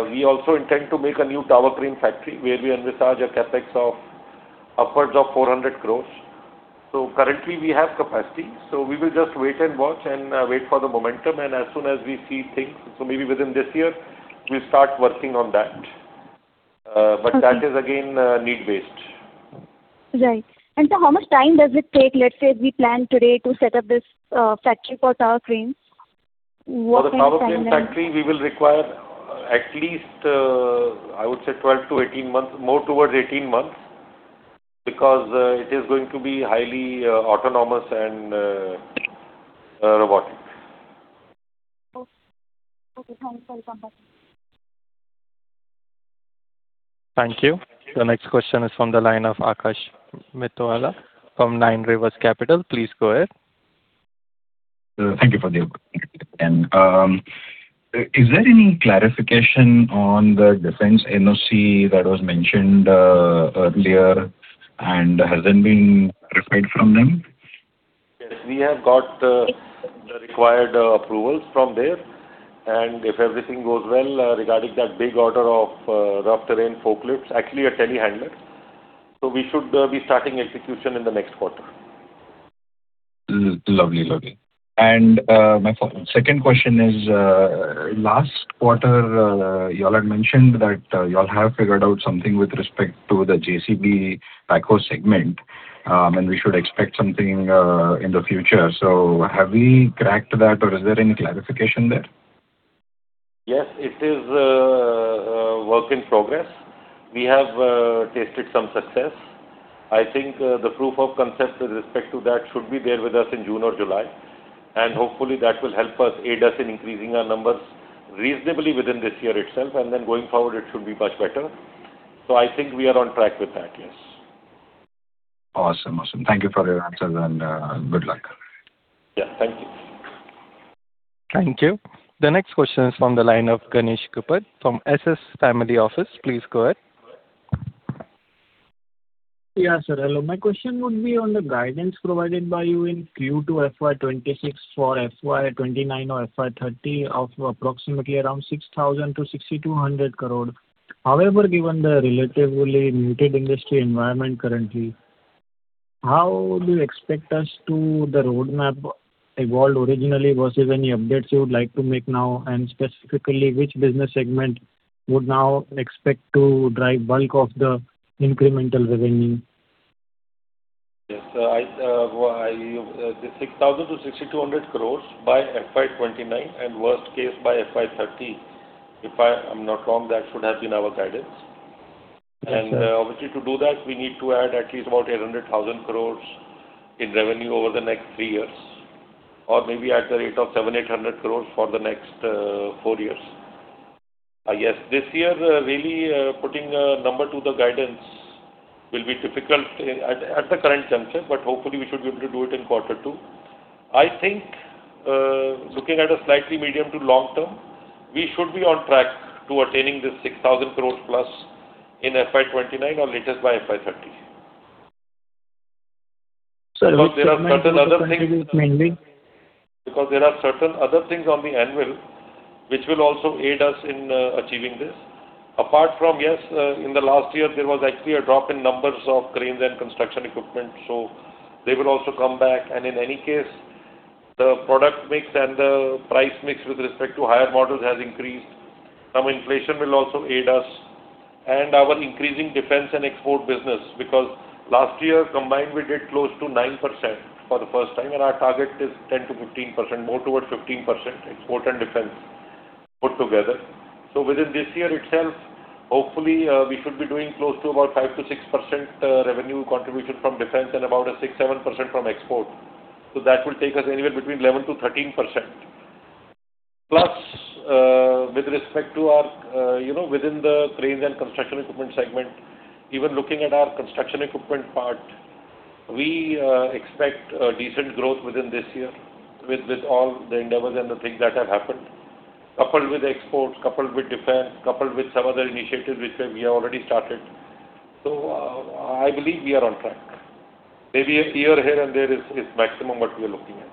We also intend to make a new tower crane factory where we envisage a CapEx of upwards of 400 crores. Currently we have capacity, so we will just wait and watch and wait for the momentum, and as soon as we see things, so maybe within this year, we'll start working on that. That is again, need-based. Right. Sir, how much time does it take? Let's say we plan today to set up this factory for tower cranes. What kind of timeline- For the tower crane factory, we will require at least, I would say 12-18 months, more towards 18 months, because it is going to be highly autonomous and robotic. Okay. Thank you so much. Thank you. The next question is from the line of [Akash Metalwala] from Nine Rivers Capital. Please go ahead. Thank you for the opportunity. Is there any clarification on the defense NOC that was mentioned earlier, and has there been a reply from them? Yes, we have got the required approvals from there, and if everything goes well regarding that big order of Rough Terrain Forklifts, actually a Telehandler. We should be starting execution in the next quarter. Lovely. My second question is, last quarter you all had mentioned that you all have figured out something with respect to the JCB AGCO segment, and we should expect something in the future. Have we cracked that or is there any clarification there? Yes, it is a work in progress. We have tasted some success. I think the proof of concept with respect to that should be there with us in June or July, and hopefully that will help us, aid us in increasing our numbers reasonably within this year itself, and then going forward, it should be much better. I think we are on track with that, yes. Awesome. Thank you for your answers and good luck. Yeah, thank you. Thank you. The next question is from the line of [Ganesh Kupat] from [SS Family Office. Please go ahead. Yeah, sir. Hello. My question would be on the guidance provided by you in Q2 FY 2026 for FY 2029 or FY 2030 of approximately around 6,000 crore-6,200 crore. However, given the relatively muted industry environment currently, how do you expect us to the roadmap evolved originally versus any updates you would like to make now, and specifically which business segment would now expect to drive bulk of the incremental revenue? Yes. The 6,000 crore-6,200 crore by FY 2029 and worst case by FY 2030. If I am not wrong, that should have been our guidance. Yes, sir. Obviously, to do that, we need to add at least about 800,000 crore in revenue over the next three years, or maybe at the rate of 700-800 crore for the next four years. This year, really putting a number to the guidance will be difficult at the current juncture, but hopefully we should be able to do it in quarter two. Looking at a slightly medium to long term, we should be on track to attaining this 6,000 crore plus in FY 2029 or latest by FY 2030. Sir- Because there are certain other things. Which segment will contribute mainly? There are certain other things on the anvil which will also aid us in achieving this. Apart from, yes, in the last year, there was actually a drop in numbers of cranes and construction equipment, so they will also come back. In any case, the product mix and the price mix with respect to higher models has increased. Some inflation will also aid us and our increasing defense and export business, because last year combined, we did close to 9% for the first time, and our target is 10%-15%, more towards 15%, export and defense put together. Within this year itself, hopefully, we should be doing close to about 5%-6% revenue contribution from defense and about a 6%-7% from export. That will take us anywhere between 11%-13%. With respect to within the cranes and construction equipment segment, even looking at our construction equipment part, we expect a decent growth within this year with all the endeavors and the things that have happened, coupled with exports, coupled with defense, coupled with some other initiatives which we have already started. I believe we are on track. Maybe a year here and there is maximum what we are looking at.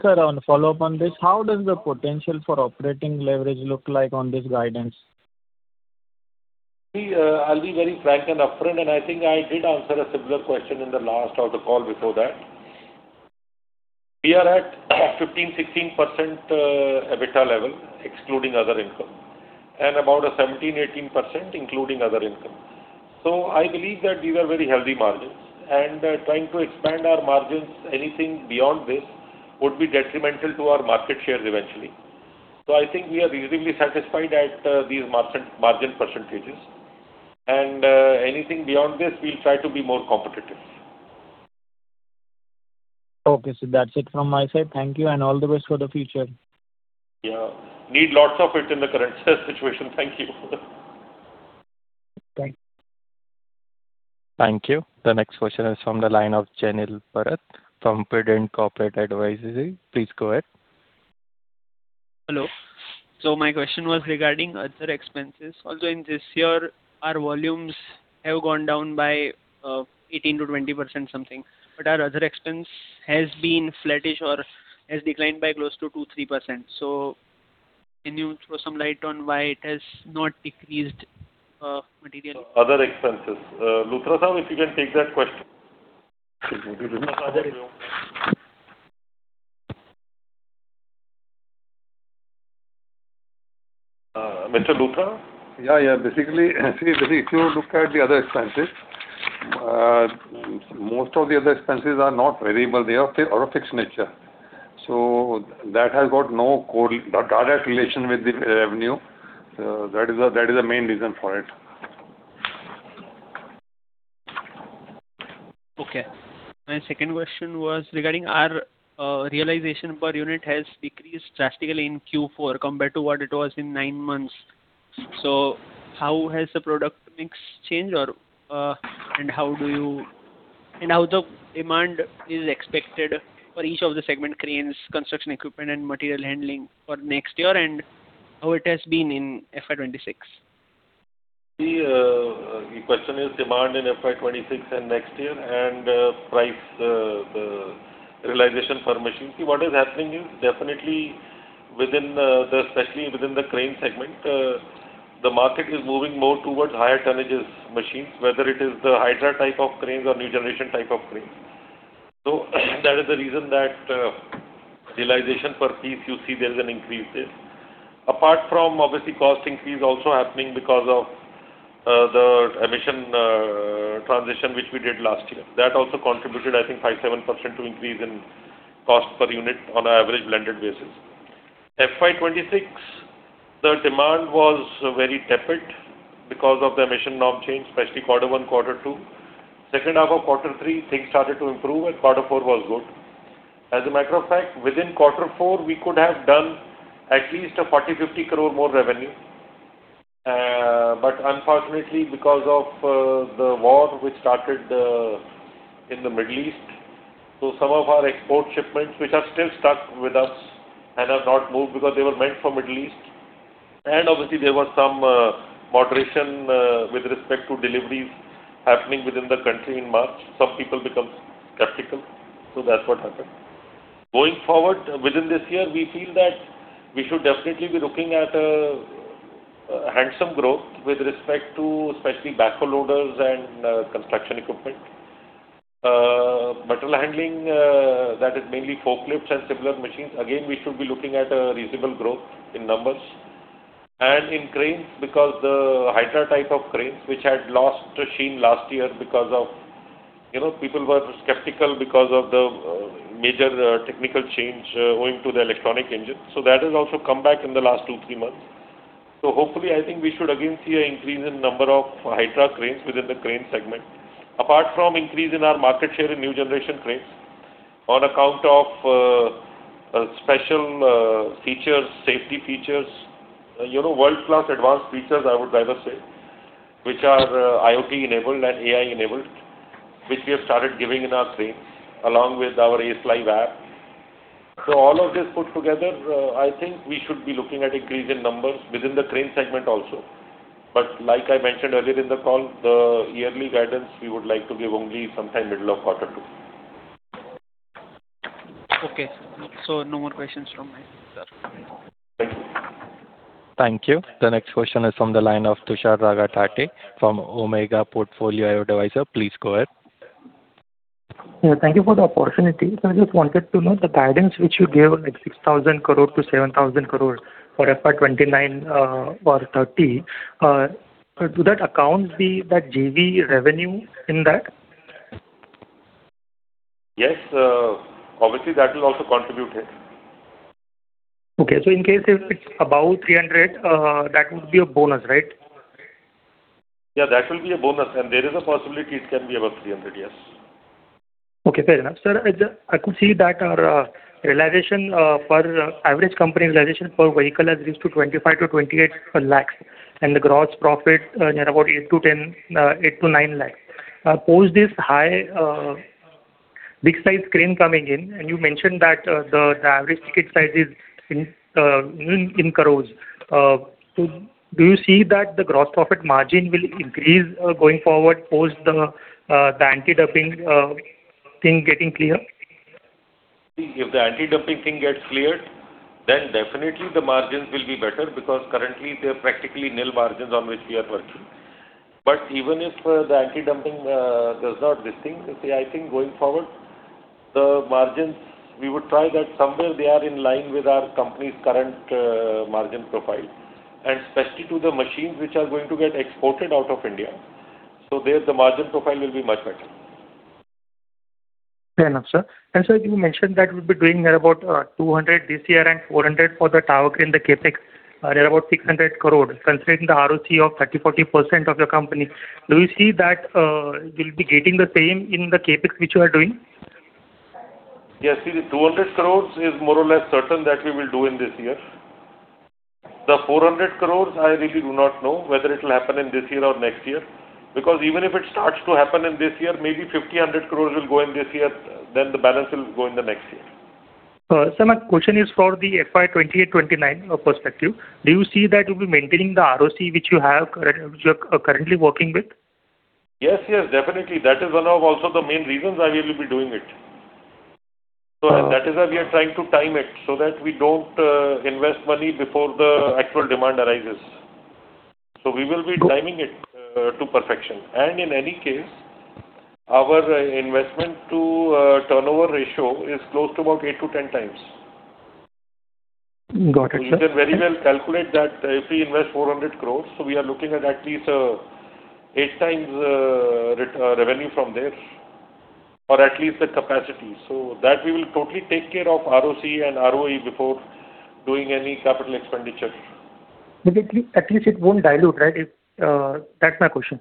Sir, on follow-up on this, how does the potential for operating leverage look like on this guidance? I'll be very frank and upfront, and I think I did answer a similar question in the last of the call before that. We are at 15%-16% EBITDA level, excluding other income, and about a 17%-18%, including other income. I believe that these are very healthy margins, and trying to expand our margins anything beyond this would be detrimental to our market shares eventually. I think we are reasonably satisfied at these margin percentages. Anything beyond this, we'll try to be more competitive. Okay, sir. That's it from my side. Thank you and all the best for the future. Yeah. Need lots of it in the current situation. Thank you. Thank you. Thank you. The next question is from the line of Jenil Bharad from Prudent Corporate Advisory. Please go ahead. Hello. My question was regarding other expenses. In this year, our volumes have gone down by 18%-20% something, but our other expense has been flattish or has declined by close to 2%-3%. Can you throw some light on why it has not decreased materially? Other expenses. Luthra, if you can take that question. Other expenses Mr. Luthra? Yeah. Basically, if you look at the other expenses, most of the other expenses are not variable. They are of a fixed nature. That has got no direct relation with the revenue. That is the main reason for it. Okay. My second question was regarding our realization per unit has decreased drastically in Q4 compared to what it was in nine months. How has the product mix changed, and how the demand is expected for each of the segment cranes, construction equipment, and material handling for next year, and how it has been in FY 2026? The question is demand in FY26 and next year and price realization per machine. See, what is happening is definitely, especially within the crane segment, the market is moving more towards higher tonnages machines, whether it is the Hydra type of cranes or new generation type of cranes. That is the reason that realization per piece, you see there's an increase there. Apart from, obviously, cost increase also happening because of the emission transition, which we did last year. That also contributed, I think, 5%-7% to increase in cost per unit on an average blended basis. FY 2026, the demand was very tepid because of the emission norm change, especially quarter one quarter two. Second half of quarter three, things started to improve and quarter four was good. As a matter of fact, within quarter four, we could have done at least 40 crore-50 crore more revenue. Unfortunately, because of the war which started in the Middle East, some of our export shipments, which are still stuck with us and have not moved because they were meant for Middle East. Obviously, there was some moderation with respect to deliveries happening within the country in March. Some people become skeptical. That's what happened. Going forward, within this year, we feel that we should definitely be looking at a handsome growth with respect to especially backhoe loaders and construction equipment. Material handling, that is mainly forklifts and similar machines. Again, we should be looking at a reasonable growth in numbers. In cranes, because the Hydra Crane, which had lost sheen last year because people were skeptical because of the major technical change owing to the electronic engine. That has also come back in the last two, three months. Hopefully, I think we should again see an increase in number of Hydra Cranes within the crane segment. Apart from increase in our market share in new generation cranes on account of special features, safety features, world-class advanced features, I would rather say, which are IoT enabled and AI enabled, which we have started giving in our cranes, along with our ACE Live app. All of this put together, I think we should be looking at increase in numbers within the crane segment also. Like I mentioned earlier in the call, the yearly guidance, we would like to give only sometime middle of quarter two. Okay. no more questions from my side. Thank you. Thank you. The next question is from the line of Tushar Raghatate from Omega Portfolio Advisor. Please go ahead. Yeah, thank you for the opportunity. Sir, I just wanted to know the guidance which you gave, like 6,000 crore-7,000 crore for FY 2029 or 2030. Do that account the JV revenue in that? Yes. Obviously, that will also contribute here. Okay. In case if it's above 300, that would be a bonus, right? Yeah, that will be a bonus. There is a possibility it can be above 300, yes. Okay, fair enough. Sir, I could see that our average company realization per vehicle has reached to 25 lakhs-28 lakhs, and the gross profit near about 8 lakhs-9 lakhs. Post this high big size crane coming in, and you mentioned that the average ticket size is in crores. Do you see that the gross profit margin will increase going forward post the anti-dumping thing getting clear? If the anti-dumping thing gets cleared, then definitely the margins will be better because currently they're practically nil margins on which we are working. Even if the anti-dumping does not distinguish, I think going forward, the margins, we would try that somewhere they are in line with our company's current margin profile. Especially to the machines which are going to get exported out of India. There, the margin profile will be much better. Fair enough, sir. Sir, you mentioned that we'll be doing near about 200 this year and 400 for the tower crane, the CapEx, near about 600 crore. Considering the ROC of 30%-40% of your company, do you see that we'll be getting the same in the CapEx which you are doing? Yes. See, the 200 crores is more or less certain that we will do in this year. The 400 crores, I really do not know whether it'll happen in this year or next year, because even if it starts to happen in this year, maybe 50 crores, 100 crores will go in this year, then the balance will go in the next year. Sir, my question is for the FY 2028, 2029 perspective. Do you see that you'll be maintaining the ROC which you are currently working with? Yes, definitely. That is one of also the main reasons why we will be doing it. That is why we are trying to time it so that we don't invest money before the actual demand arises. We will be timing it to perfection. In any case, our investment to turnover ratio is close to about 8x-10x. Got it, sir. You can very well calculate that if we invest 400 crores, so we are looking at least eight times the revenue from there, or at least the capacity. That we will totally take care of ROC and ROE before doing any capital expenditure. At least it won't dilute, right? That's my question.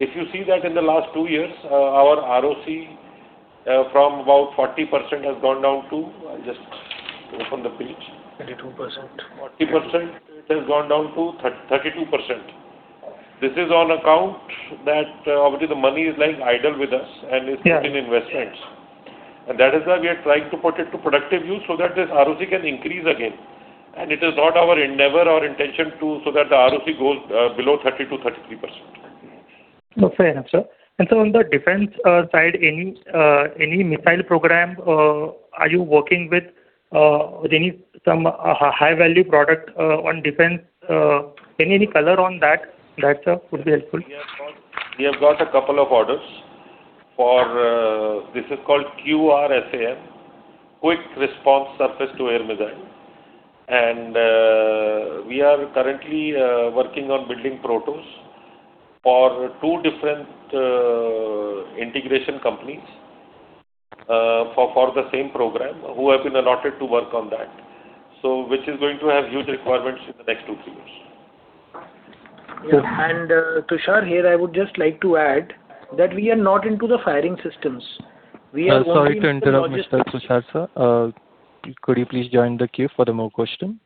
If you see that in the last two years, our ROC from about 40% has gone down to I'll just open the page. 32%. 40%, it has gone down to 32%. This is on account that obviously the money is lying idle with us. Yeah In investments. That is why we are trying to put it to productive use so that this ROC can increase again. It is not our endeavor or intention so that the ROC goes below 30%-33%. No, fair enough, Sir. on the defense side, any missile program, are you working with any some high-value product on defense? Any color on that? That, sir, would be helpful. We have got a couple of orders. This is called QRSAM, Quick Response Surface-to-Air Missile. We are currently working on building protos for two different integration companies for the same program, who have been allotted to work on that. Which is going to have huge requirements in the next two, three years. Yeah. Tushar, here, I would just like to add that we are not into the firing systems. We are only into the logistics. Sorry to interrupt, Mr. Tushar, sir. Could you please join the queue for more question?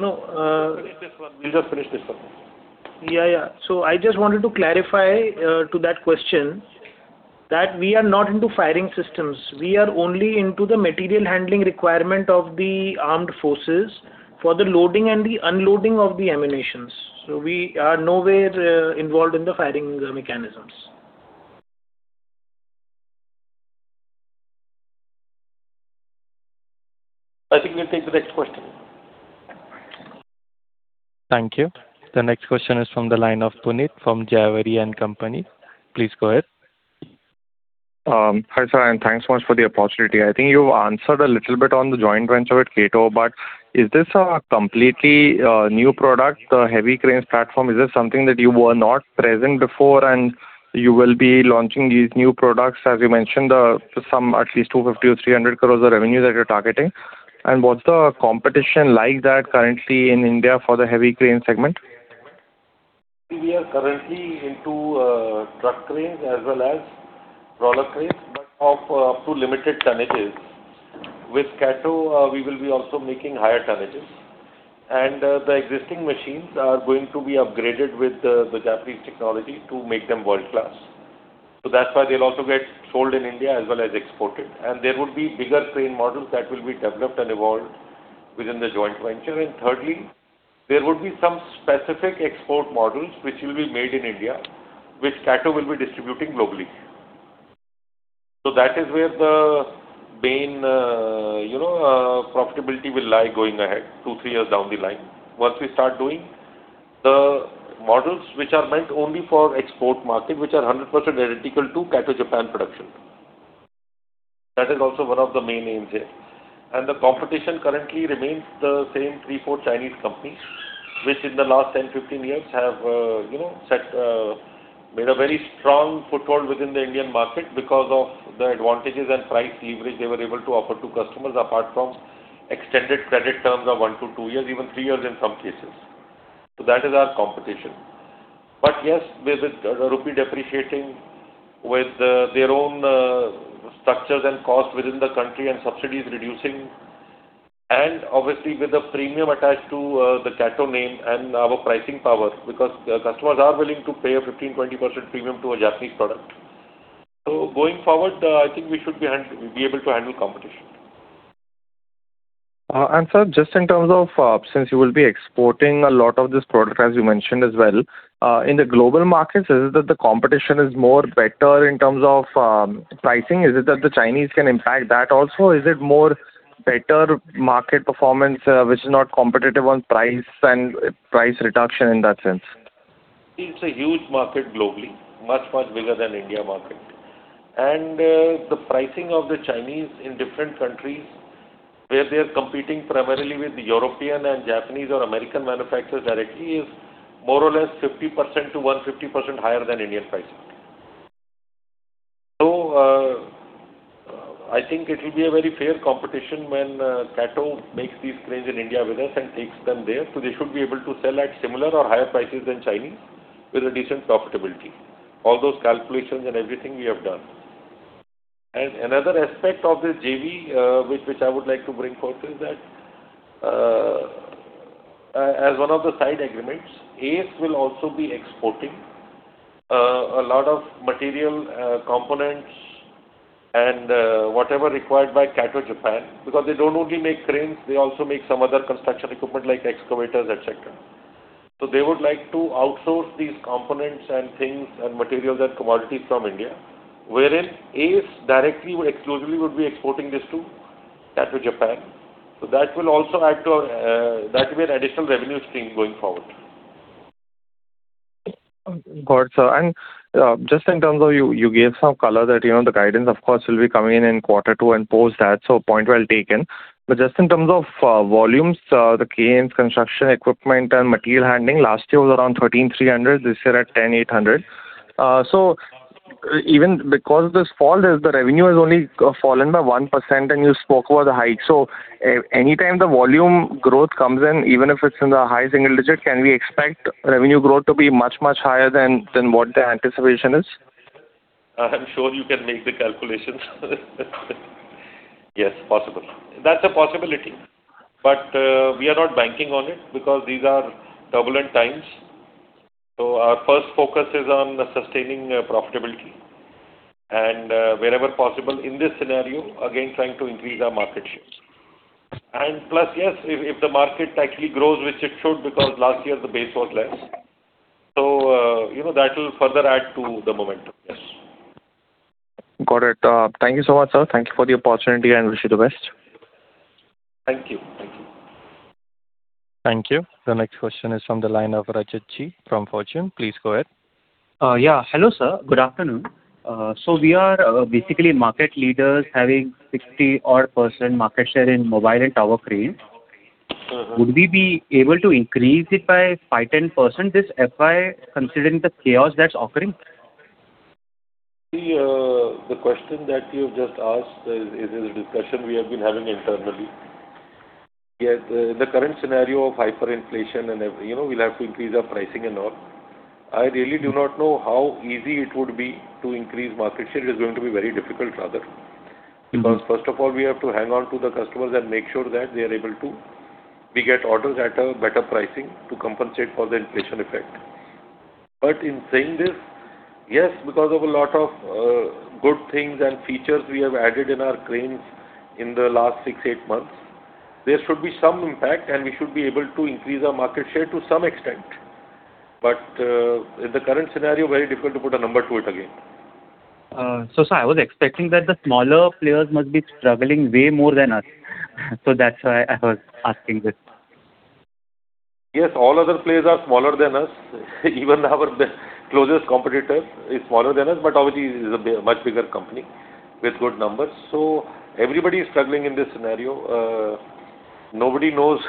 No- We'll just finish this one. Yeah. I just wanted to clarify to that question that we are not into firing systems. We are only into the material handling requirement of the armed forces for the loading and the unloading of the ammunitions. We are nowhere involved in the firing mechanisms. I think we'll take the next question. Thank you. The next question is from the line of Puneet from Jhaveri and Company. Please go ahead. Hi, sir, and thanks so much for the opportunity. I think you've answered a little bit on the joint venture with Kato, but is this a completely new product, the heavy cranes platform? Is this something that you were not present before, and you will be launching these new products, as you mentioned, some at least 250 crores or 300 crores of revenue that you're targeting? What's the competition like that currently in India for the heavy crane segment? We are currently into truck cranes as well as crawler cranes, but up to limited tonnages. With Kato, we will be also making higher tonnages. The existing machines are going to be upgraded with the Japanese technology to make them world-class. That's why they'll also get sold in India as well as exported. There would be bigger crane models that will be developed and evolved within the joint venture. Thirdly, there would be some specific export models which will be made in India, which Kato will be distributing globally. That is where the main profitability will lie going ahead two, three years down the line, once we start doing the models which are meant only for export market, which are 100% identical to Kato Japan production. That is also one of the main aims here. The competition currently remains the same three, four Chinese companies, which in the last 10, 15 years have made a very strong foothold within the Indian market because of the advantages and price leverage they were able to offer to customers, apart from extended credit terms of one to two years, even three years in some cases. That is our competition. Yes, with INR depreciating, with their own structures and costs within the country and subsidies reducing, and obviously with the premium attached to the Kato name and our pricing power, because customers are willing to pay a 15%-20% premium to a Japanese product. Going forward, I think we should be able to handle competition. Sir, just in terms of, since you will be exporting a lot of this product as you mentioned as well, in the global markets, is it that the competition is more better in terms of pricing? Is it that the Chinese can impact that also? Is it more better market performance, which is not competitive on price and price reduction in that sense? It's a huge market globally, much, much bigger than India market. The pricing of the Chinese in different countries, where they're competing primarily with the European and Japanese or American manufacturers directly, is more or less 50% to 150% higher than Indian pricing. I think it will be a very fair competition when Kato makes these cranes in India with us and takes them there. They should be able to sell at similar or higher prices than Chinese with a decent profitability. All those calculations and everything we have done. Another aspect of this JV which I would like to bring forth is that, as one of the side agreements, ACE will also be exporting a lot of material, components and whatever required by Kato Japan, because they don't only make cranes, they also make some other construction equipment like Excavators, et cetera. They would like to outsource these components and things and materials and commodities from India, wherein ACE directly exclusively would be exporting this to that with Japan. That'll be an additional revenue stream going forward. Got it, sir. Just in terms of, you gave some color that the guidance, of course, will be coming in quarter two and post that, point well taken. Just in terms of volumes, the cranes, construction equipment, and material handling last year was around 13,300, this year at 10,800. Even because this fall is the revenue has only fallen by 1%, and you spoke about the hike. Anytime the volume growth comes in, even if it's in the high single digit, can we expect revenue growth to be much, much higher than what the anticipation is? I'm sure you can make the calculations. Yes, possible. That's a possibility. We are not banking on it because these are turbulent times. Our first focus is on sustaining profitability. Wherever possible in this scenario, again, trying to increase our market share. Plus, yes, if the market actually grows, which it should because last year the base was less. That will further add to the momentum. Yes. Got it. Thank you so much, sir. Thank you for the opportunity, and wish you the best. Thank you. Thank you. The next question is from the line of [Rajat Ji] from Fortune. Please go ahead. Yeah. Hello, sir. Good afternoon. We are basically market leaders having 60-odd% market share in mobile and tower cranes. Would we be able to increase it by 5%, 10% this FY, considering the chaos that's occurring? The question that you've just asked is a discussion we have been having internally. Yet, the current scenario of hyperinflation and we'll have to increase our pricing and all, I really do not know how easy it would be to increase market share. It is going to be very difficult, rather. First of all, we have to hang on to the customers and make sure that we are able to get orders at a better pricing to compensate for the inflation effect. In saying this, yes, because of a lot of good things and features we have added in our cranes in the last six, eight months, there should be some impact, and we should be able to increase our market share to some extent. In the current scenario, very difficult to put a number to it again. Sir, I was expecting that the smaller players must be struggling way more than us. That's why I was asking this. Yes, all other players are smaller than us. Even our closest competitor is smaller than us, but obviously is a much bigger company with good numbers. Everybody is struggling in this scenario. Nobody knows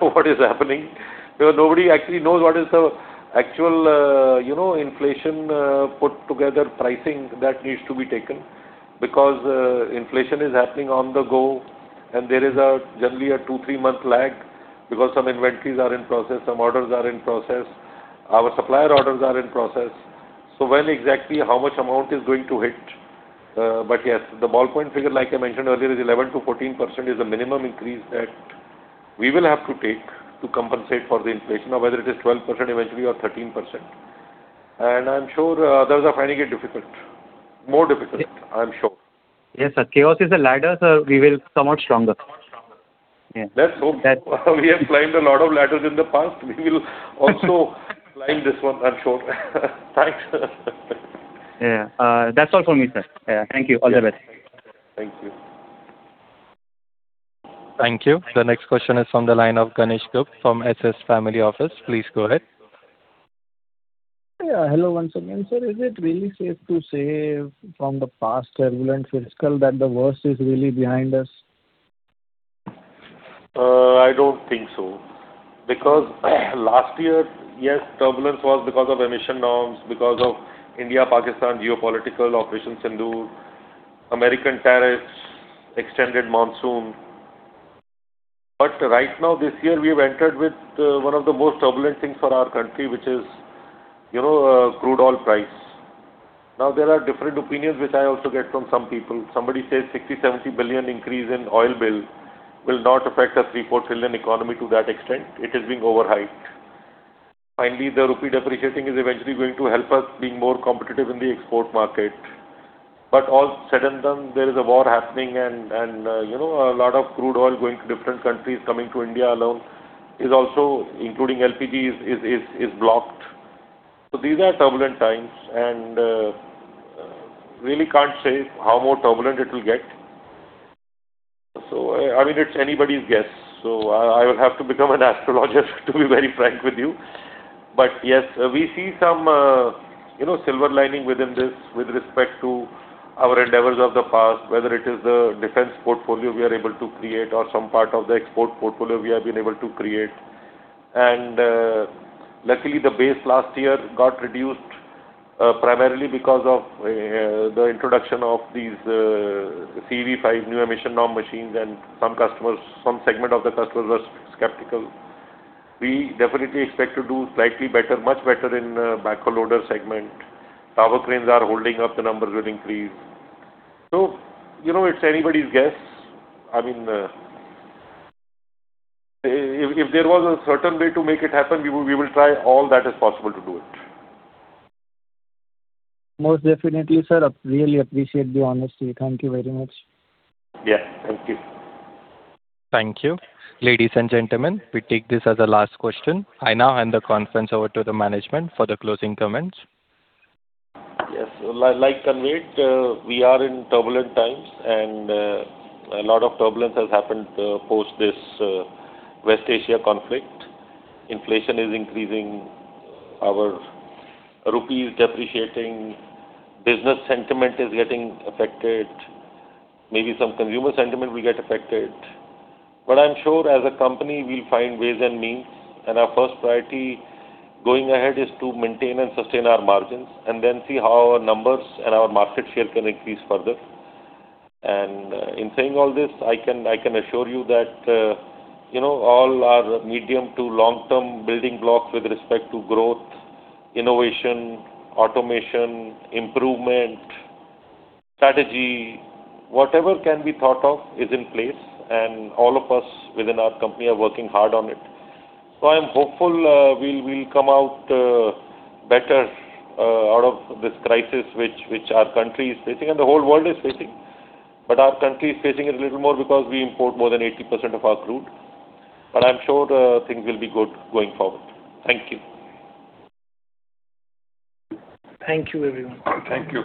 what is happening, because nobody actually knows what is the actual inflation put together pricing that needs to be taken. Inflation is happening on the go, and there is generally a two, three-month lag, because some inventories are in process, some orders are in process, our supplier orders are in process. When exactly how much amount is going to hit? Yes, the ballpoint figure, like I mentioned earlier, is 11%-14% is the minimum increase that we will have to take to compensate for the inflation, or whether it is 12% eventually or 13%. I'm sure others are finding it difficult. More difficult, I'm sure. Yes, sir. Chaos is a ladder, sir, we will come out stronger. Yeah. Let's hope. We have climbed a lot of ladders in the past. We will also climb this one, I'm sure. Thanks. Yeah. That's all from me, sir. Yeah. Thank you. All the best. Thank you. Thank you. The next question is from the line of [Ganesh Kupat] from SS Family Office. Please go ahead. Hello once again, sir. Is it really safe to say from the past turbulent fiscal that the worst is really behind us? Last year, yes, turbulence was because of emission norms, because of India-Pakistan geopolitical, Operation Sindoor, U.S. tariffs, extended monsoon. Right now, this year, we have entered with one of the most turbulent things for our country, which is crude oil price. There are different opinions, which I also get from some people. Somebody says $60 billion, $70 billion increase in oil bill will not affect a $3 trillion economy to that extent. It is being overhyped. The rupee depreciating is eventually going to help us be more competitive in the export market. All sudden then there is a war happening and a lot of crude oil going to different countries, coming to India alone is also, including LPG, is blocked. These are turbulent times, and really can't say how more turbulent it will get. It's anybody's guess. I will have to become an astrologer to be very frank with you. Yes, we see some silver lining within this with respect to our endeavors of the past, whether it is the defense portfolio we are able to create or some part of the export portfolio we have been able to create. Luckily, the base last year got reduced, primarily because of the introduction of these CEV Stage V new emission norm machines and some segment of the customers were skeptical. We definitely expect to do slightly better, much better in the backhoe loader segment. tower cranes are holding up, the numbers will increase. It's anybody's guess. If there was a certain way to make it happen, we will try all that is possible to do it. Most definitely, sir. Really appreciate the honesty. Thank you very much. Yeah. Thank you. Thank you. Ladies and gentlemen, we take this as the last question. I now hand the conference over to the management for the closing comments. Yes. Like conveyed, we are in turbulent times, and a lot of turbulence has happened post this West Asia conflict. Inflation is increasing. Our rupee is depreciating. Business sentiment is getting affected. Maybe some consumer sentiment will get affected. But I'm sure as a company, we'll find ways and means, and our first priority going ahead is to maintain and sustain our margins, and then see how our numbers and our market share can increase further. And in saying all this, I can assure you that all our medium to long-term building blocks with respect to growth, innovation, automation, improvement, strategy, whatever can be thought of is in place, and all of us within our company are working hard on it. So I am hopeful we'll come out better out of this crisis, which our country is facing, and the whole world is facing. Our country is facing it a little more because we import more than 80% of our crude. I'm sure things will be good going forward. Thank you. Thank you, everyone. Thank you.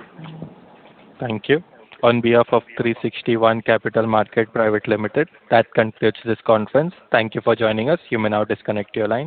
Thank you. On behalf of 360 ONE Capital Market Private Limited, that concludes this conference. Thank you for joining us. You may now disconnect your line.